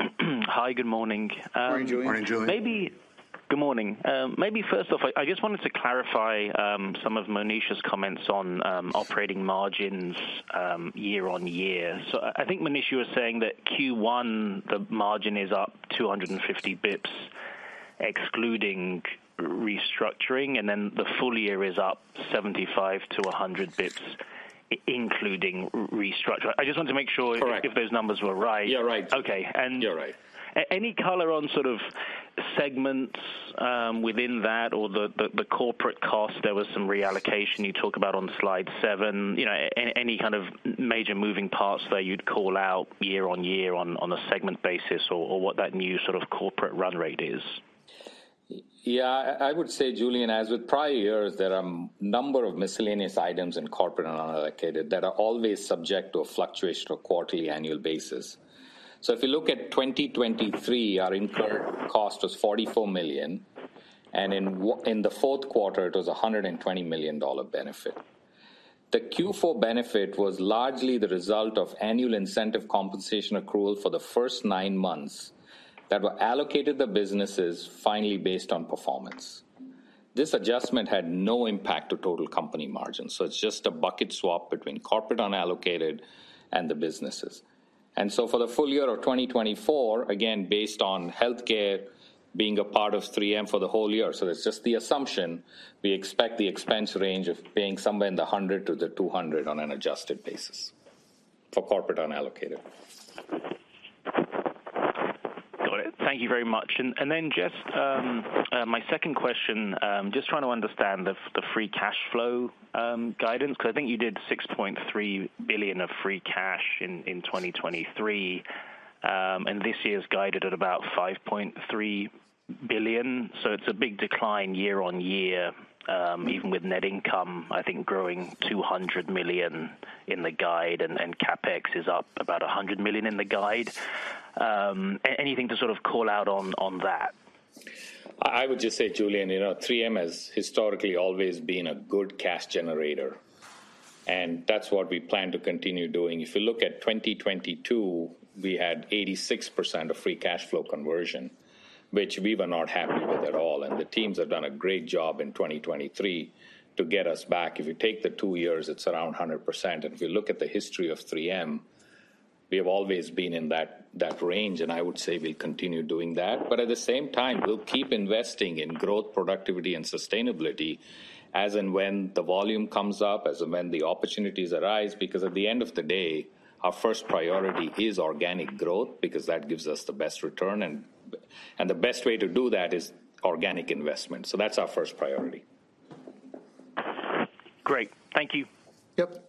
Hi, good morning. Morning, Julian. Morning, Julian. Good morning. I just wanted to clarify some of Monish's comments on operating margins year-over-year. So I think Monish, you were saying that Q1, the margin is up 250 basis points, excluding restructuring, and then the full year is up 75-100 basis points including restructure. I just wanted to make sure- Correct. If those numbers were right. You're right. Okay, and- You're right. Any color on sort of segments within that or the corporate cost, there was some reallocation you talk about on slide seven. You know, any kind of major moving parts that you'd call out year on year on a segment basis, or what that new sort of corporate run rate is? Yeah, I would say, Julian, as with prior years, there are a number of miscellaneous items in corporate and unallocated that are always subject to a fluctuation or quarterly annual basis. So if you look at 2023, our incurred cost was $44 million, and in the fourth quarter, it was a $120 million benefit. The Q4 benefit was largely the result of annual incentive compensation accrual for the first nine months, that were allocated the businesses finally based on performance. This adjustment had no impact to total company margins, so it's just a bucket swap between corporate unallocated and the businesses. For the full year of 2024, again, based on healthcare being a part of 3M for the whole year, so it's just the assumption, we expect the expense range of being somewhere in the $100-$200 on an adjusted basis for corporate unallocated. Got it. Thank you very much. And then just my second question, just trying to understand the free cash flow guidance, because I think you did $6.3 billion of free cash in 2023, and this year's guided at about $5.3 billion. So it's a big decline year-on-year, even with net income, I think growing $200 million in the guide and CapEx is up about $100 million in the guide. Anything to sort of call out on that? I, I would just say, Julian, you know, 3M has historically always been a good cash generator, and that's what we plan to continue doing. If you look at 2022, we had 86% of free cash flow conversion, which we were not happy with at all, and the teams have done a great job in 2023 to get us back. If you take the two years, it's around 100%. And if you look at the history of 3M, we have always been in that, that range, and I would say we'll continue doing that. But at the same time, we'll keep investing in growth, productivity, and sustainability as and when the volume comes up, as and when the opportunities arise, because at the end of the day, our first priority is organic growth, because that gives us the best return, and, and the best way to do that is organic investment. So that's our first priority. Great. Thank you. Yep.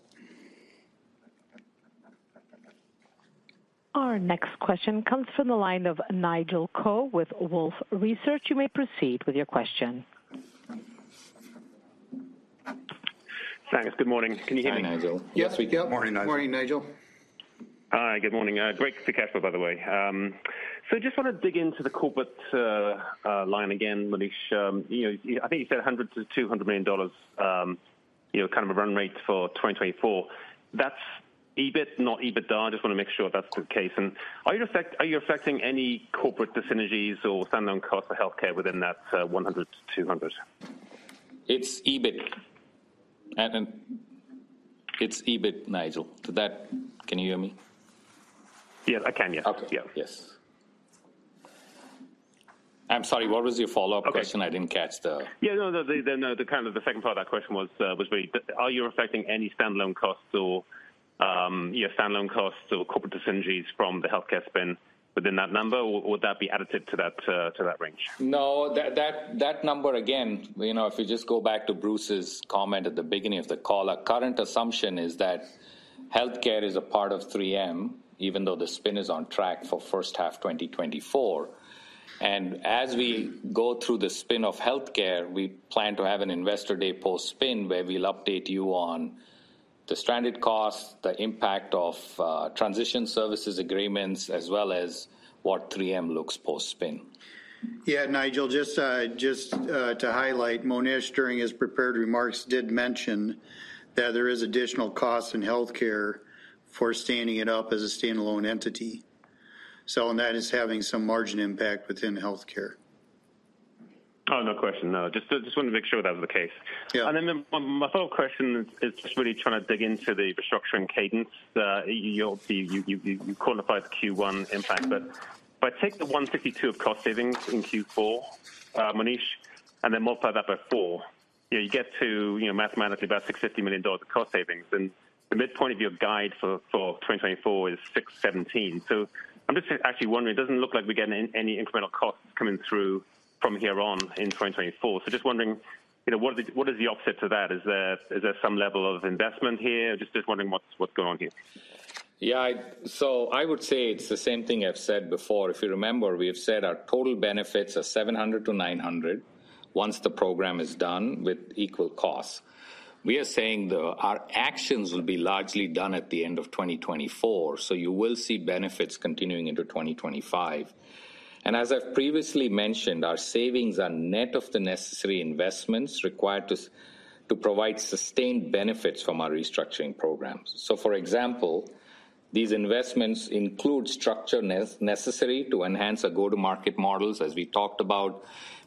Our next question comes from the line of Nigel Coe with Wolfe Research. You may proceed with your question. Thanks. Good morning. Can you hear me? Hi, Nigel. Yes. Yep. Morning, Nigel. Morning, Nigel. Hi, good morning. Great to catch up, by the way. So just want to dig into the corporate line again, Monish. You know, I think you said $100 million-$200 million, you know, kind of a run rate for 2024. That's EBIT, not EBITDA? I just want to make sure if that's the case. And are you affecting any corporate synergies or standalone cost for healthcare within that $100 million-$200 million? It's EBIT. And, and it's EBIT, Nigel. Did that...? Can you hear me? Yes, I can. Yeah. Okay. Yeah. Yes. I'm sorry, what was your follow-up question? Okay. I didn't catch the- Yeah, no, kind of the second part of that question was really, are you affecting any standalone costs or, yeah, standalone costs or corporate synergies from the healthcare spin within that number, or would that be additive to that, to that range? No, that number, again, you know, if you just go back to Bruce's comment at the beginning of the call, our current assumption is that healthcare is a part of 3M, even though the spin is on track for first half 2024. And as we go through the spin of healthcare, we plan to have an Investor Day post-spin, where we'll update you on the stranded costs, the impact of transition services agreements, as well as what 3M looks post-spin. Yeah, Nigel, just to highlight, Monish, during his prepared remarks, did mention that there is additional costs in healthcare for standing it up as a standalone entity.... that is having some margin impact within healthcare? Oh, no question, no. Just, just wanted to make sure that was the case. Yeah. Then my follow-up question is just really trying to dig into the restructuring cadence. You'll be, you qualified the Q1 impact. But if I take the $152 million of cost savings in Q4, Monish, and then multiply that by four, you know, you get to, you know, mathematically about $650 million of cost savings. And the midpoint of your guide for 2024 is $617 million. So I'm just actually wondering, it doesn't look like we're getting any incremental costs coming through from here on in 2024. So just wondering, you know, what is the offset to that? Is there some level of investment here? Just wondering what's going on here. Yeah, so I would say it's the same thing I've said before. If you remember, we have said our total benefits are $700-$900, once the program is done with equal costs. We are saying, though, our actions will be largely done at the end of 2024, so you will see benefits continuing into 2025. And as I've previously mentioned, our savings are net of the necessary investments required to provide sustained benefits from our restructuring programs. So for example, these investments include structures necessary to enhance our go-to-market models. As we talked about,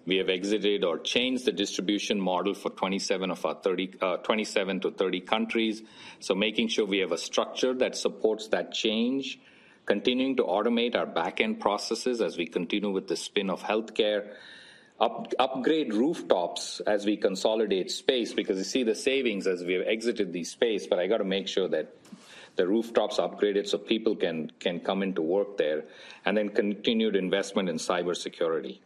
we have exited or changed the distribution model for 27 of our 30, 27-30 countries. So making sure we have a structure that supports that change, continuing to automate our back-end processes as we continue with the spin of healthcare. Upgrade rooftops as we consolidate space, because you see the savings as we have exited the space, but I got to make sure that the rooftop's upgraded so people can come in to work there. And then continued investment in cybersecurity.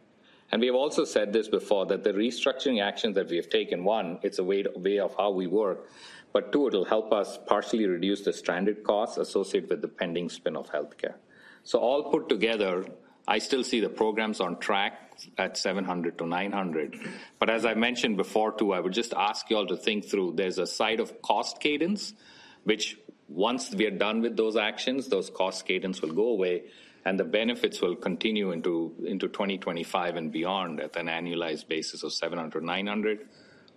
And we have also said this before, that the restructuring actions that we have taken, one, it's a way, way of how we work, but two, it'll help us partially reduce the stranded costs associated with the pending spin of healthcare. So all put together, I still see the programs on track at $700-$900. But as I mentioned before, too, I would just ask you all to think through. There's a side of cost cadence, which once we are done with those actions, those cost cadence will go away, and the benefits will continue into 2025 and beyond, at an annualized basis of $700-$900,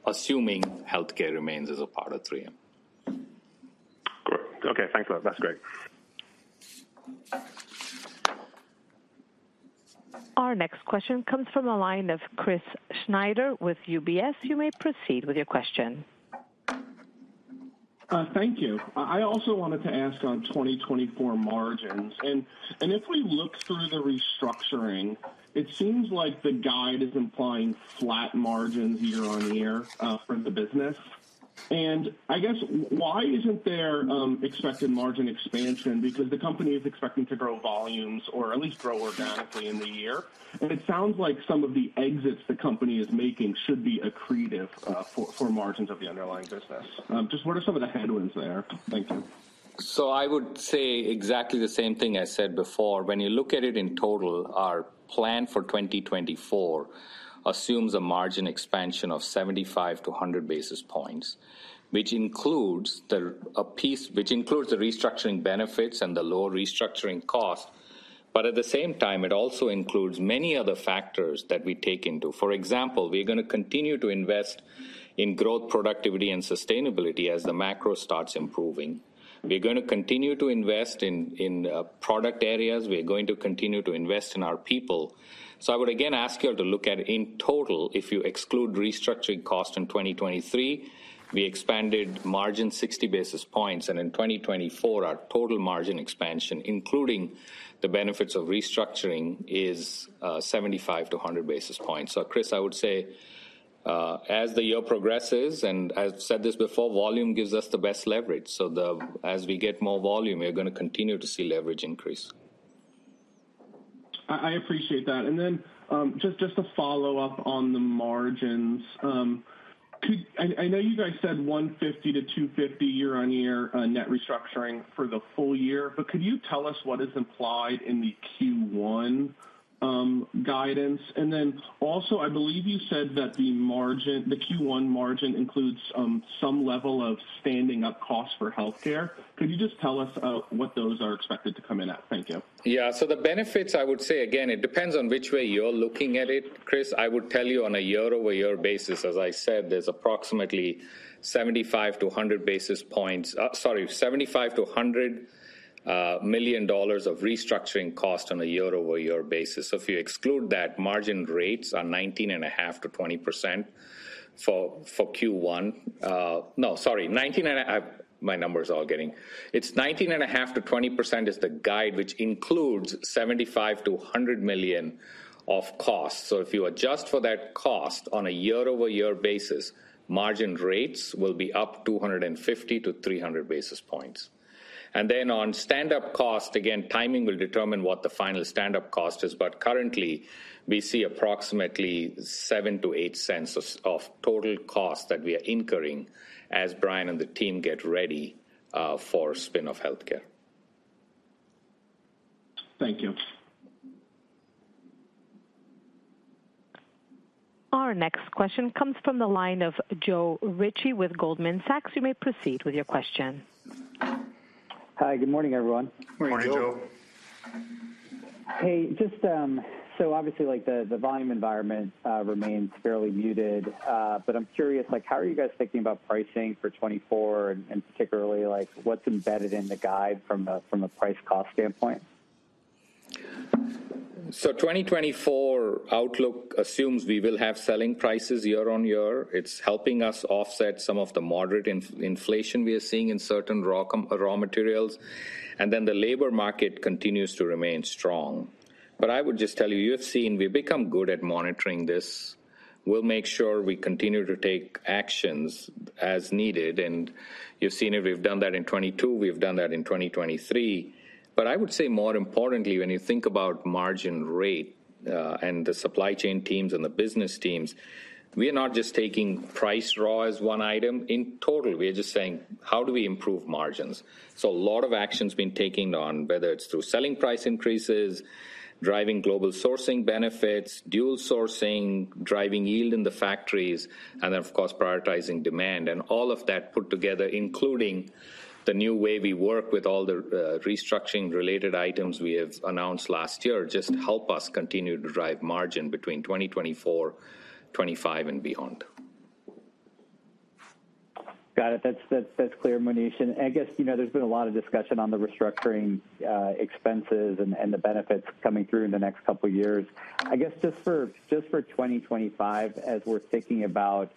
assuming healthcare remains as a part of 3M. Great. Okay, thanks a lot. That's great. Our next question comes from the line of Chris Snyder with UBS. You may proceed with your question. Thank you. I also wanted to ask on 2024 margins, and, and if we look through the restructuring, it seems like the guide is implying flat margins year-on-year, for the business. And I guess why isn't there expected margin expansion? Because the company is expecting to grow volumes or at least grow organically in the year. And it sounds like some of the exits the company is making should be accretive, for margins of the underlying business. Just what are some of the headwinds there? Thank you. So I would say exactly the same thing I said before. When you look at it in total, our plan for 2024 assumes a margin expansion of 75-100 basis points, which includes the restructuring benefits and the lower restructuring costs. But at the same time, it also includes many other factors that we take into. For example, we're going to continue to invest in growth, productivity, and sustainability as the macro starts improving. We're going to continue to invest in product areas. We are going to continue to invest in our people. So I would again ask you all to look at in total, if you exclude restructuring costs in 2023, we expanded margin 60 basis points, and in 2024, our total margin expansion, including the benefits of restructuring, is 75-100 basis points. So, Chris, I would say, as the year progresses, and I've said this before, volume gives us the best leverage. So, as we get more volume, we're going to continue to see leverage increase. I appreciate that. And then, just to follow up on the margins, I know you guys said 150 to 250 year-on-year net restructuring for the full year, but could you tell us what is implied in the Q1 guidance? And then also, I believe you said that the margin, the Q1 margin includes some level of standing up costs for healthcare. Could you just tell us what those are expected to come in at? Thank you. Yeah. So the benefits, I would say again, it depends on which way you're looking at it, Chris. I would tell you on a year-over-year basis, as I said, there's approximately $75 million-$100 million of restructuring cost on a year-over-year basis. So if you exclude that, margin rates are 19.5%-20% for Q1. 19.5%-20% is the guide, which includes $75 million-$100 million of costs. So if you adjust for that cost on a year-over-year basis, margin rates will be up 250-300 basis points. And then on stand-up cost, again, timing will determine what the final stand-up cost is, but currently, we see approximately $0.07-$0.08 of total cost that we are incurring as Bryan and the team get ready for spin-off healthcare. Thank you. Our next question comes from the line of Joe Ritchie with Goldman Sachs. You may proceed with your question. Hi, good morning, everyone. Good morning, Joe. Morning, Joe. Hey, just, so obviously, like, the volume environment, but I'm curious, like, how are you guys thinking about pricing for 2024, and particularly, like, what's embedded in the guide from a price cost standpoint? So 2024 outlook assumes we will have selling prices year on year. It's helping us offset some of the moderate inflation we are seeing in certain raw materials, and then the labor market continues to remain strong. But I would just tell you, you have seen we've become good at monitoring this. We'll make sure we continue to take actions as needed, and you've seen it. We've done that in 2022, we've done that in 2023. But I would say more importantly, when you think about margin rate, and the supply chain teams and the business teams, we are not just taking price raw as one item. In total, we are just saying: How do we improve margins? A lot of action's been taken on, whether it's through selling price increases, driving global sourcing benefits, dual sourcing, driving yield in the factories, and then, of course, prioritizing demand. All of that put together, including the new way we work with all the restructuring related items we have announced last year, just help us continue to drive margin between 2024, 2025, and beyond. Got it. That's clear, Monish. And I guess, you know, there's been a lot of discussion on the restructuring expenses and the benefits coming through in the next couple of years. I guess, just for 2025, as we're thinking about,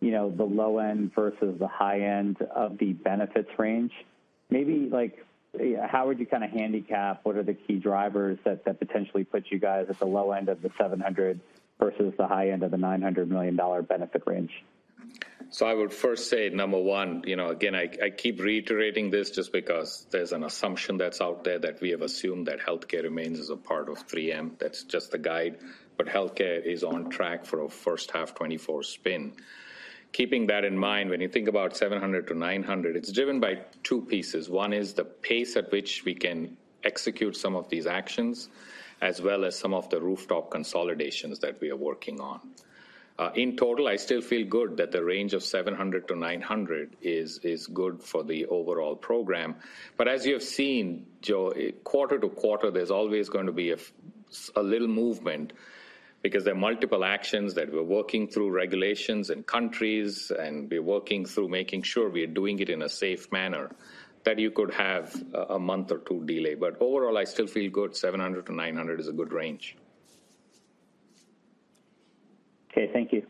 you know, the low end versus the high end of the benefits range, maybe like, how would you kind of handicap what are the key drivers that potentially put you guys at the low end of the $700 million versus the high end of the $900 million benefit range? So I would first say, number one, you know, again, I keep reiterating this just because there's an assumption that's out there that we have assumed that healthcare remains as a part of 3M. That's just the guide. But healthcare is on track for a first half 2024 spin. Keeping that in mind, when you think about $700-$900, it's driven by two pieces. One is the pace at which we can execute some of these actions, as well as some of the rooftop consolidations that we are working on. In total, I still feel good that the range of $700-$900 is good for the overall program. But as you have seen, Joe, quarter to quarter, there's always going to be a little movement because there are multiple actions that we're working through, regulations and countries, and we're working through making sure we are doing it in a safe manner, that you could have a month or two delay. But overall, I still feel good. $700-$900 is a good range. Okay, thank you.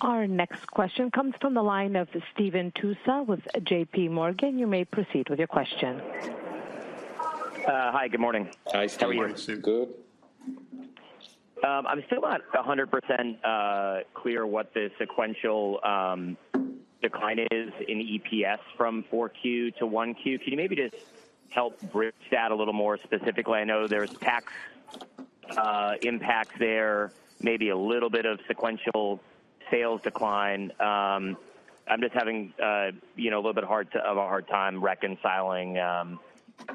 Our next question comes from the line of Steve Tusa with JPMorgan. You may proceed with your question. Hi, good morning. Hi, Steve. Good. I'm still not 100% clear what the sequential decline is in EPS from 4Q to 1Q. Can you maybe just help bridge that a little more specifically? I know there's tax impacts there, maybe a little bit of sequential sales decline. I'm just having, you know, a little bit of a hard time reconciling,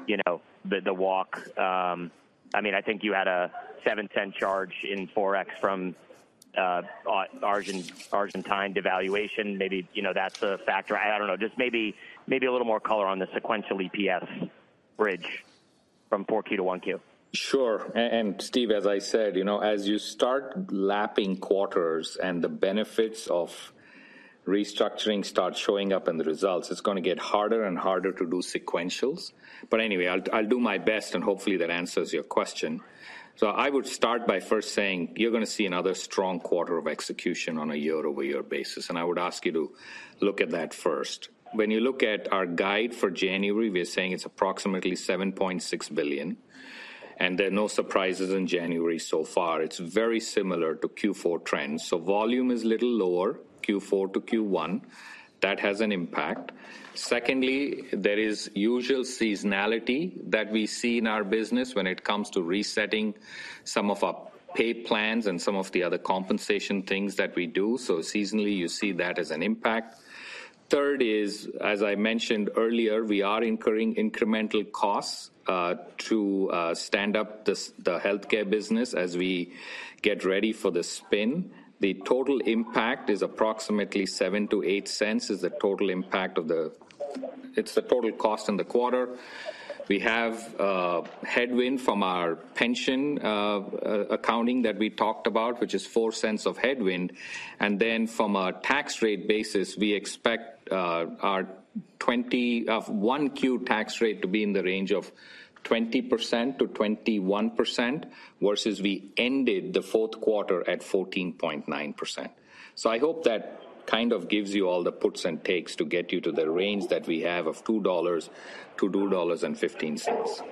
you know, the walk. I mean, I think you had a $710 charge in Forex from Argentine devaluation. Maybe, you know, that's a factor. I don't know. Just maybe, maybe a little more color on the sequential EPS bridge from 4Q to 1Q. Sure. And, and Steve, as I said, you know, as you start lapping quarters and the benefits of restructuring start showing up in the results, it's gonna get harder and harder to do sequentials. But anyway, I'll, I'll do my best, and hopefully, that answers your question. So I would start by first saying, you're gonna see another strong quarter of execution on a year-over-year basis, and I would ask you to look at that first. When you look at our guide for January, we are saying it's approximately $7.6 billion, and there are no surprises in January so far. It's very similar to Q4 trends. So volume is a little lower, Q4 to Q1. That has an impact. Secondly, there is usual seasonality that we see in our business when it comes to resetting some of our paid plans and some of the other compensation things that we do. So seasonally, you see that as an impact. Third is, as I mentioned earlier, we are incurring incremental costs to stand up the healthcare business as we get ready for the spin. The total impact is approximately $0.07-$0.08, is the total impact of the... It's the total cost in the quarter. We have headwind from our pension accounting that we talked about, which is $0.04 of headwind. And then from a tax rate basis, we expect our 2021 Q1 tax rate to be in the range of 20%-21%, versus we ended the fourth quarter at 14.9%. I hope that kind of gives you all the puts and takes to get you to the range that we have of $2-$2.15.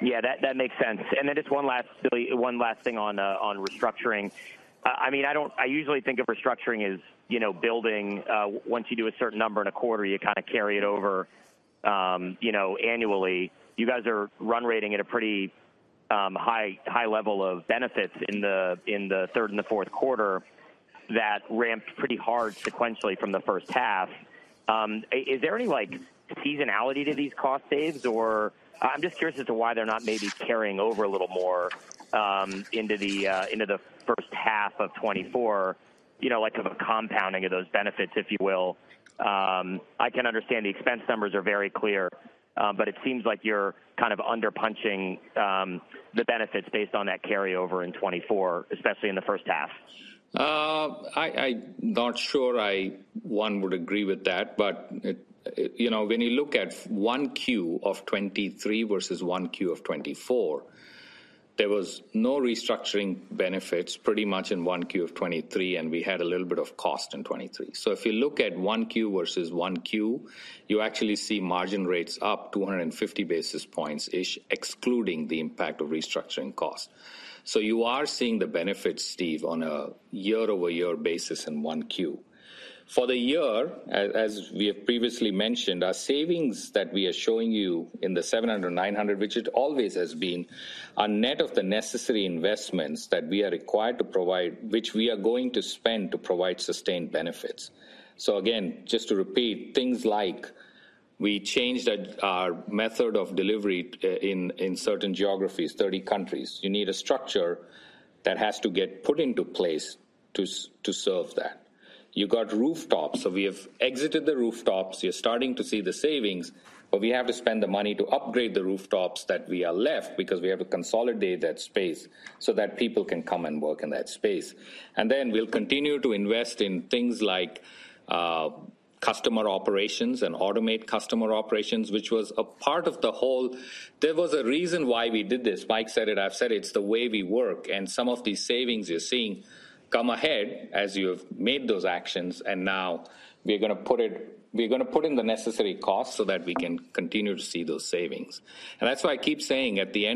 Yeah, that, that makes sense. And then just one last, one last thing on, on restructuring. I mean, I don't- I usually think of restructuring as, you know, building, once you do a certain number in a quarter, you kinda carry it over, you know, annually. You guys are run rating at a pretty, high, high level of benefits in the, in the third and the fourth quarter. That ramped pretty hard sequentially from the first half. Is there any, like, seasonality to these cost saves, or I'm just curious as to why they're not maybe carrying over a little more, into the, into the first half of 2024, you know, like, of a compounding of those benefits, if you will. I can understand the expense numbers are very clear, but it seems like you're kind of underpunching the benefits based on that carryover in 2024, especially in the first half. I'm not sure I would agree with that, but it, you know, when you look at 1Q of 2023 versus 1Q of 2024, there was no restructuring benefits pretty much in 1Q of 2023, and we had a little bit of cost in 2023. So if you look at 1Q versus 1Q, you actually see margin rates up 250 basis points, ish, excluding the impact of restructuring costs. So you are seeing the benefits, Steve, on a year-over-year basis in 1Q. For the year, as we have previously mentioned, our savings that we are showing you in the $700 million-$900 million, which it always has been, are net of the necessary investments that we are required to provide, which we are going to spend to provide sustained benefits. So again, just to repeat, things like we changed our method of delivery in certain geographies, 30 countries. You need a structure that has to get put into place to serve that. You got rooftops. So we have exited the rooftops. You're starting to see the savings, but we have to spend the money to upgrade the rooftops that we are left because we have to consolidate that space so that people can come and work in that space. And then we'll continue to invest in things like customer operations and automate customer operations, which was a part of the whole. There was a reason why we did this. Mike said it, I've said it, it's the way we work, and some of these savings you're seeing come ahead as you have made those actions, and now we're going to put it- we're going to put in the necessary costs so that we can continue to see those savings. And that's why I keep saying at the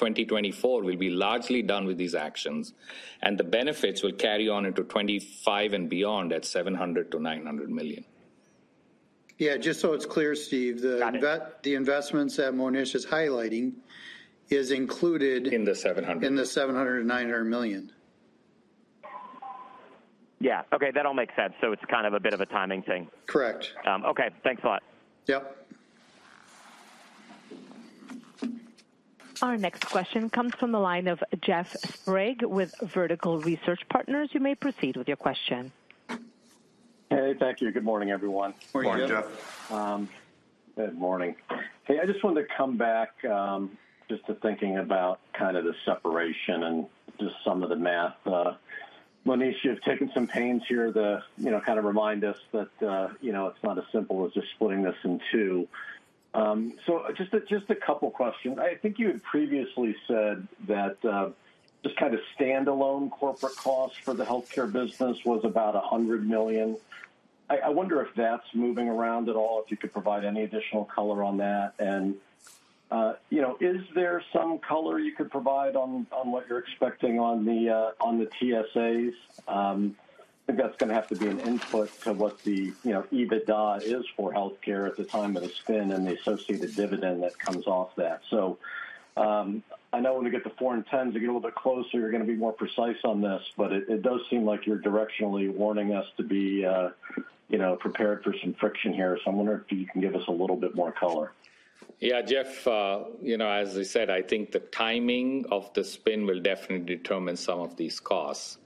end of 2024, we'll be largely done with these actions, and the benefits will carry on into 2025 and beyond at $700 million-$900 million. Yeah, just so it's clear, Steve- Got it. The investments that Monish is highlighting is included- In the 700. in the $700 million-$900 million. Yeah. Okay, that all makes sense. So it's kind of a bit of a timing thing. Correct. Okay, thanks a lot. Yep. Our next question comes from the line of Jeff Sprague with Vertical Research Partners. You may proceed with your question. Hey, thank you. Good morning, everyone. Good morning, Jeff. Good morning. Good morning. Hey, I just wanted to come back, just to thinking about kind of the separation and just some of the math. Monish, you've taken some pains here to, you know, kind of remind us that, you know, it's not as simple as just splitting this in two. So just a couple questions. I think you had previously said that, just kind of standalone corporate costs for the healthcare business was about $100 million. I wonder if that's moving around at all, if you could provide any additional color on that? And, you know, is there some color you could provide on, on what you're expecting on the, on the TSAs? I think that's going to have to be an input to what the, you know, EBITDA is for healthcare at the time of the spin and the associated dividend that comes off that. So, I know when we get to Form 10, to get a little bit closer, you're going to be more precise on this, but it, it does seem like you're directionally warning us to be, you know, prepared for some friction here. So I'm wondering if you can give us a little bit more color. Yeah, Jeff, you know, as I said, I think the timing of the spin will definitely determine some of these costs.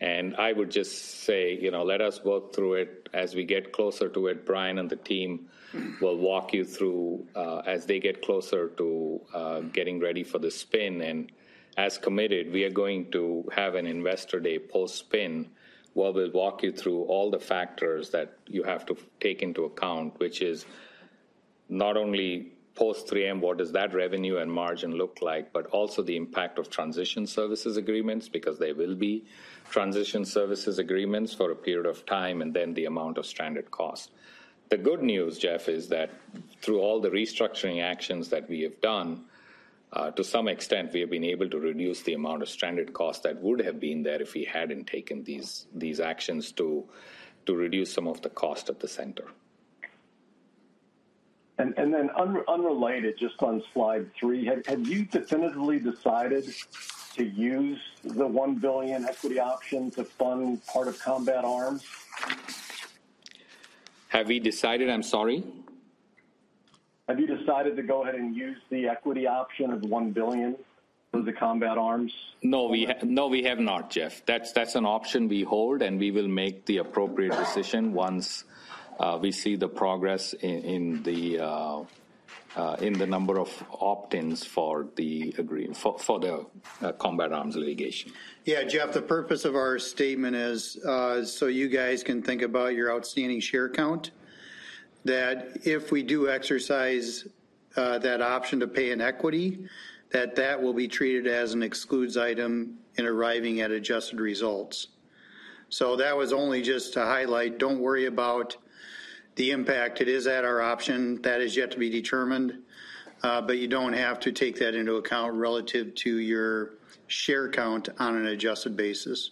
And I would just say, you know, let us work through it. As we get closer to it, Bryan and the team will walk you through, as they get closer to, getting ready for the spin. And as committed, we are going to have an investor day post-spin, where we'll walk you through all the factors that you have to take into account, which is not only post-3M, what does that revenue and margin look like, but also the impact of transition services agreements, because there will be transition services agreements for a period of time, and then the amount of stranded costs. The good news, Jeff, is that through all the restructuring actions that we have done, to some extent, we have been able to reduce the amount of stranded costs that would have been there if we hadn't taken these actions to reduce some of the cost at the center. And then, unrelated, just on slide three, have you definitively decided to use the $1 billion equity option to fund part of Combat Arms? Have we decided, I'm sorry? Have you decided to go ahead and use the equity option of $1 billion for the Combat Arms? No, we have not, Jeff. That's an option we hold, and we will make the appropriate decision once we see the progress in the number of opt-ins for the Combat Arms litigation. Yeah, Jeff, the purpose of our statement is, so you guys can think about your outstanding share count, that if we do exercise, that option to pay an equity, that that will be treated as an excluded item in arriving at adjusted results. So that was only just to highlight. Don't worry about the impact. It is at our option. That is yet to be determined, but you don't have to take that into account relative to your share count on an adjusted basis.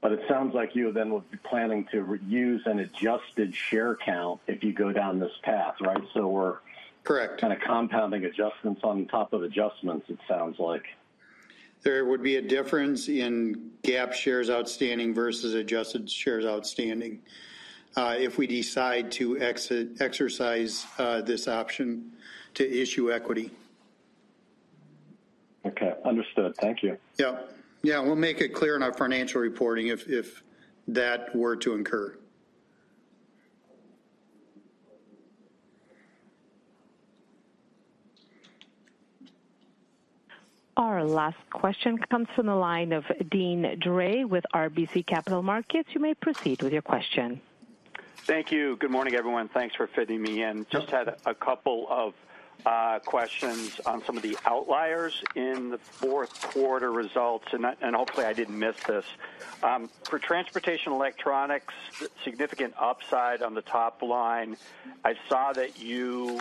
But it sounds like you then will be planning to use an adjusted share count if you go down this path, right? So we're- Correct. Kind of compounding adjustments on top of adjustments, it sounds like. There would be a difference in GAAP shares outstanding versus adjusted shares outstanding, if we decide to exercise this option to issue equity. Okay, understood. Thank you. Yeah. Yeah, we'll make it clear in our financial reporting if that were to occur. Our last question comes from the line of Deane Dray with RBC Capital Markets. You may proceed with your question. Thank you. Good morning, everyone. Thanks for fitting me in. Just had a couple of questions on some of the outliers in the fourth quarter results, and hopefully I didn't miss this. For Transportation Electronics, significant upside on the top line. I saw that you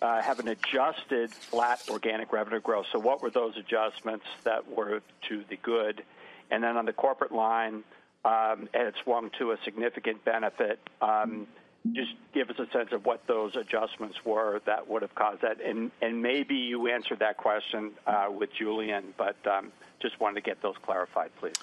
have an adjusted flat organic revenue growth. So what were those adjustments that were to the good? And then on the corporate line, and it swung to a significant benefit, just give us a sense of what those adjustments were that would have caused that. And maybe you answered that question with Julian, but just wanted to get those clarified, please.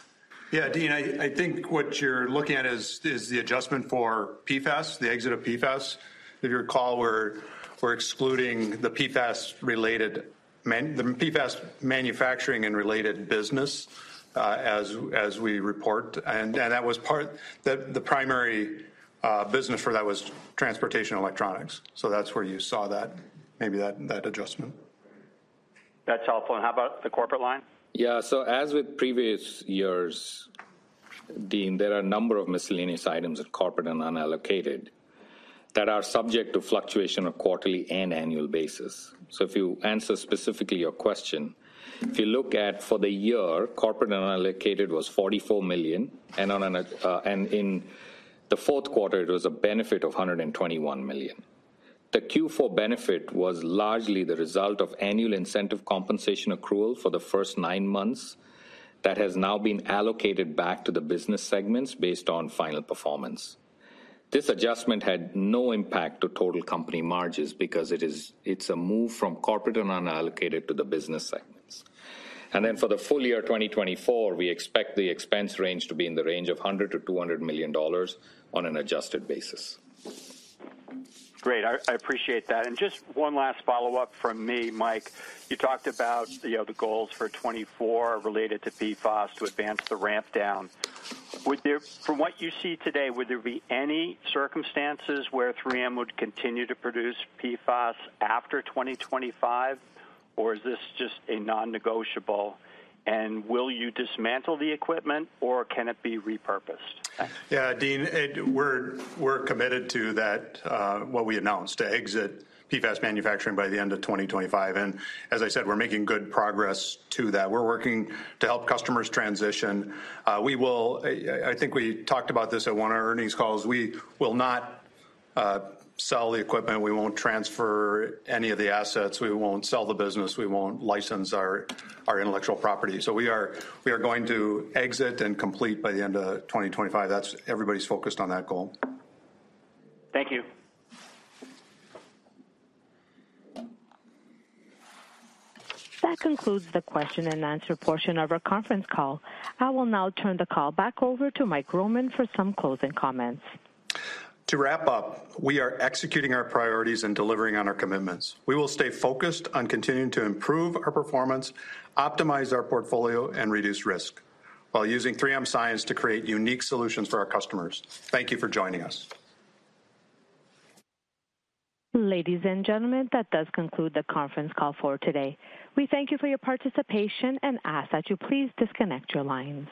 Yeah, Dean, I think what you're looking at is the adjustment for PFAS, the exit of PFAS. If you recall, we're excluding the PFAS related the PFAS manufacturing and related business, as we report. And that was part. The primary business for that was Transportation Electronics. So that's where you saw that, maybe that adjustment. That's helpful. And how about the corporate line? Yeah. So as with previous years, Dean, there are a number of miscellaneous items of corporate and unallocated that are subject to fluctuation on a quarterly and annual basis. So to answer specifically your question, if you look at for the year, corporate and unallocated was $44 million, and on an, and in the fourth quarter, it was a benefit of $121 million. The Q4 benefit was largely the result of annual incentive compensation accrual for the first nine months that has now been allocated back to the business segments based on final performance. This adjustment had no impact to total company margins because it is-- it's a move from corporate and unallocated to the business segments. And then for the full year 2024, we expect the expense range to be in the range of $100-$200 million on an adjusted basis. Great, I, I appreciate that. And just one last follow-up from me, Mike. You talked about, you know, the goals for 2024 related to PFAS to advance the ramp down. From what you see today, would there be any circumstances where 3M would continue to produce PFAS after 2025, or is this just a non-negotiable? And will you dismantle the equipment, or can it be repurposed? Yeah, Dean, we're, we're committed to that, what we announced, to exit PFAS manufacturing by the end of 2025. And as I said, we're making good progress to that. We're working to help customers transition. I think we talked about this at one of our earnings calls. We will not sell the equipment. We won't transfer any of the assets. We won't sell the business. We won't license our intellectual property. So we are, we are going to exit and complete by the end of 2025. That's everybody's focused on that goal. Thank you. That concludes the question and answer portion of our conference call. I will now turn the call back over to Mike Roman for some closing comments. To wrap up, we are executing our priorities and delivering on our commitments. We will stay focused on continuing to improve our performance, optimize our portfolio, and reduce risk, while using 3M science to create unique solutions for our customers. Thank you for joining us. Ladies and gentlemen, that does conclude the conference call for today. We thank you for your participation and ask that you please disconnect your lines.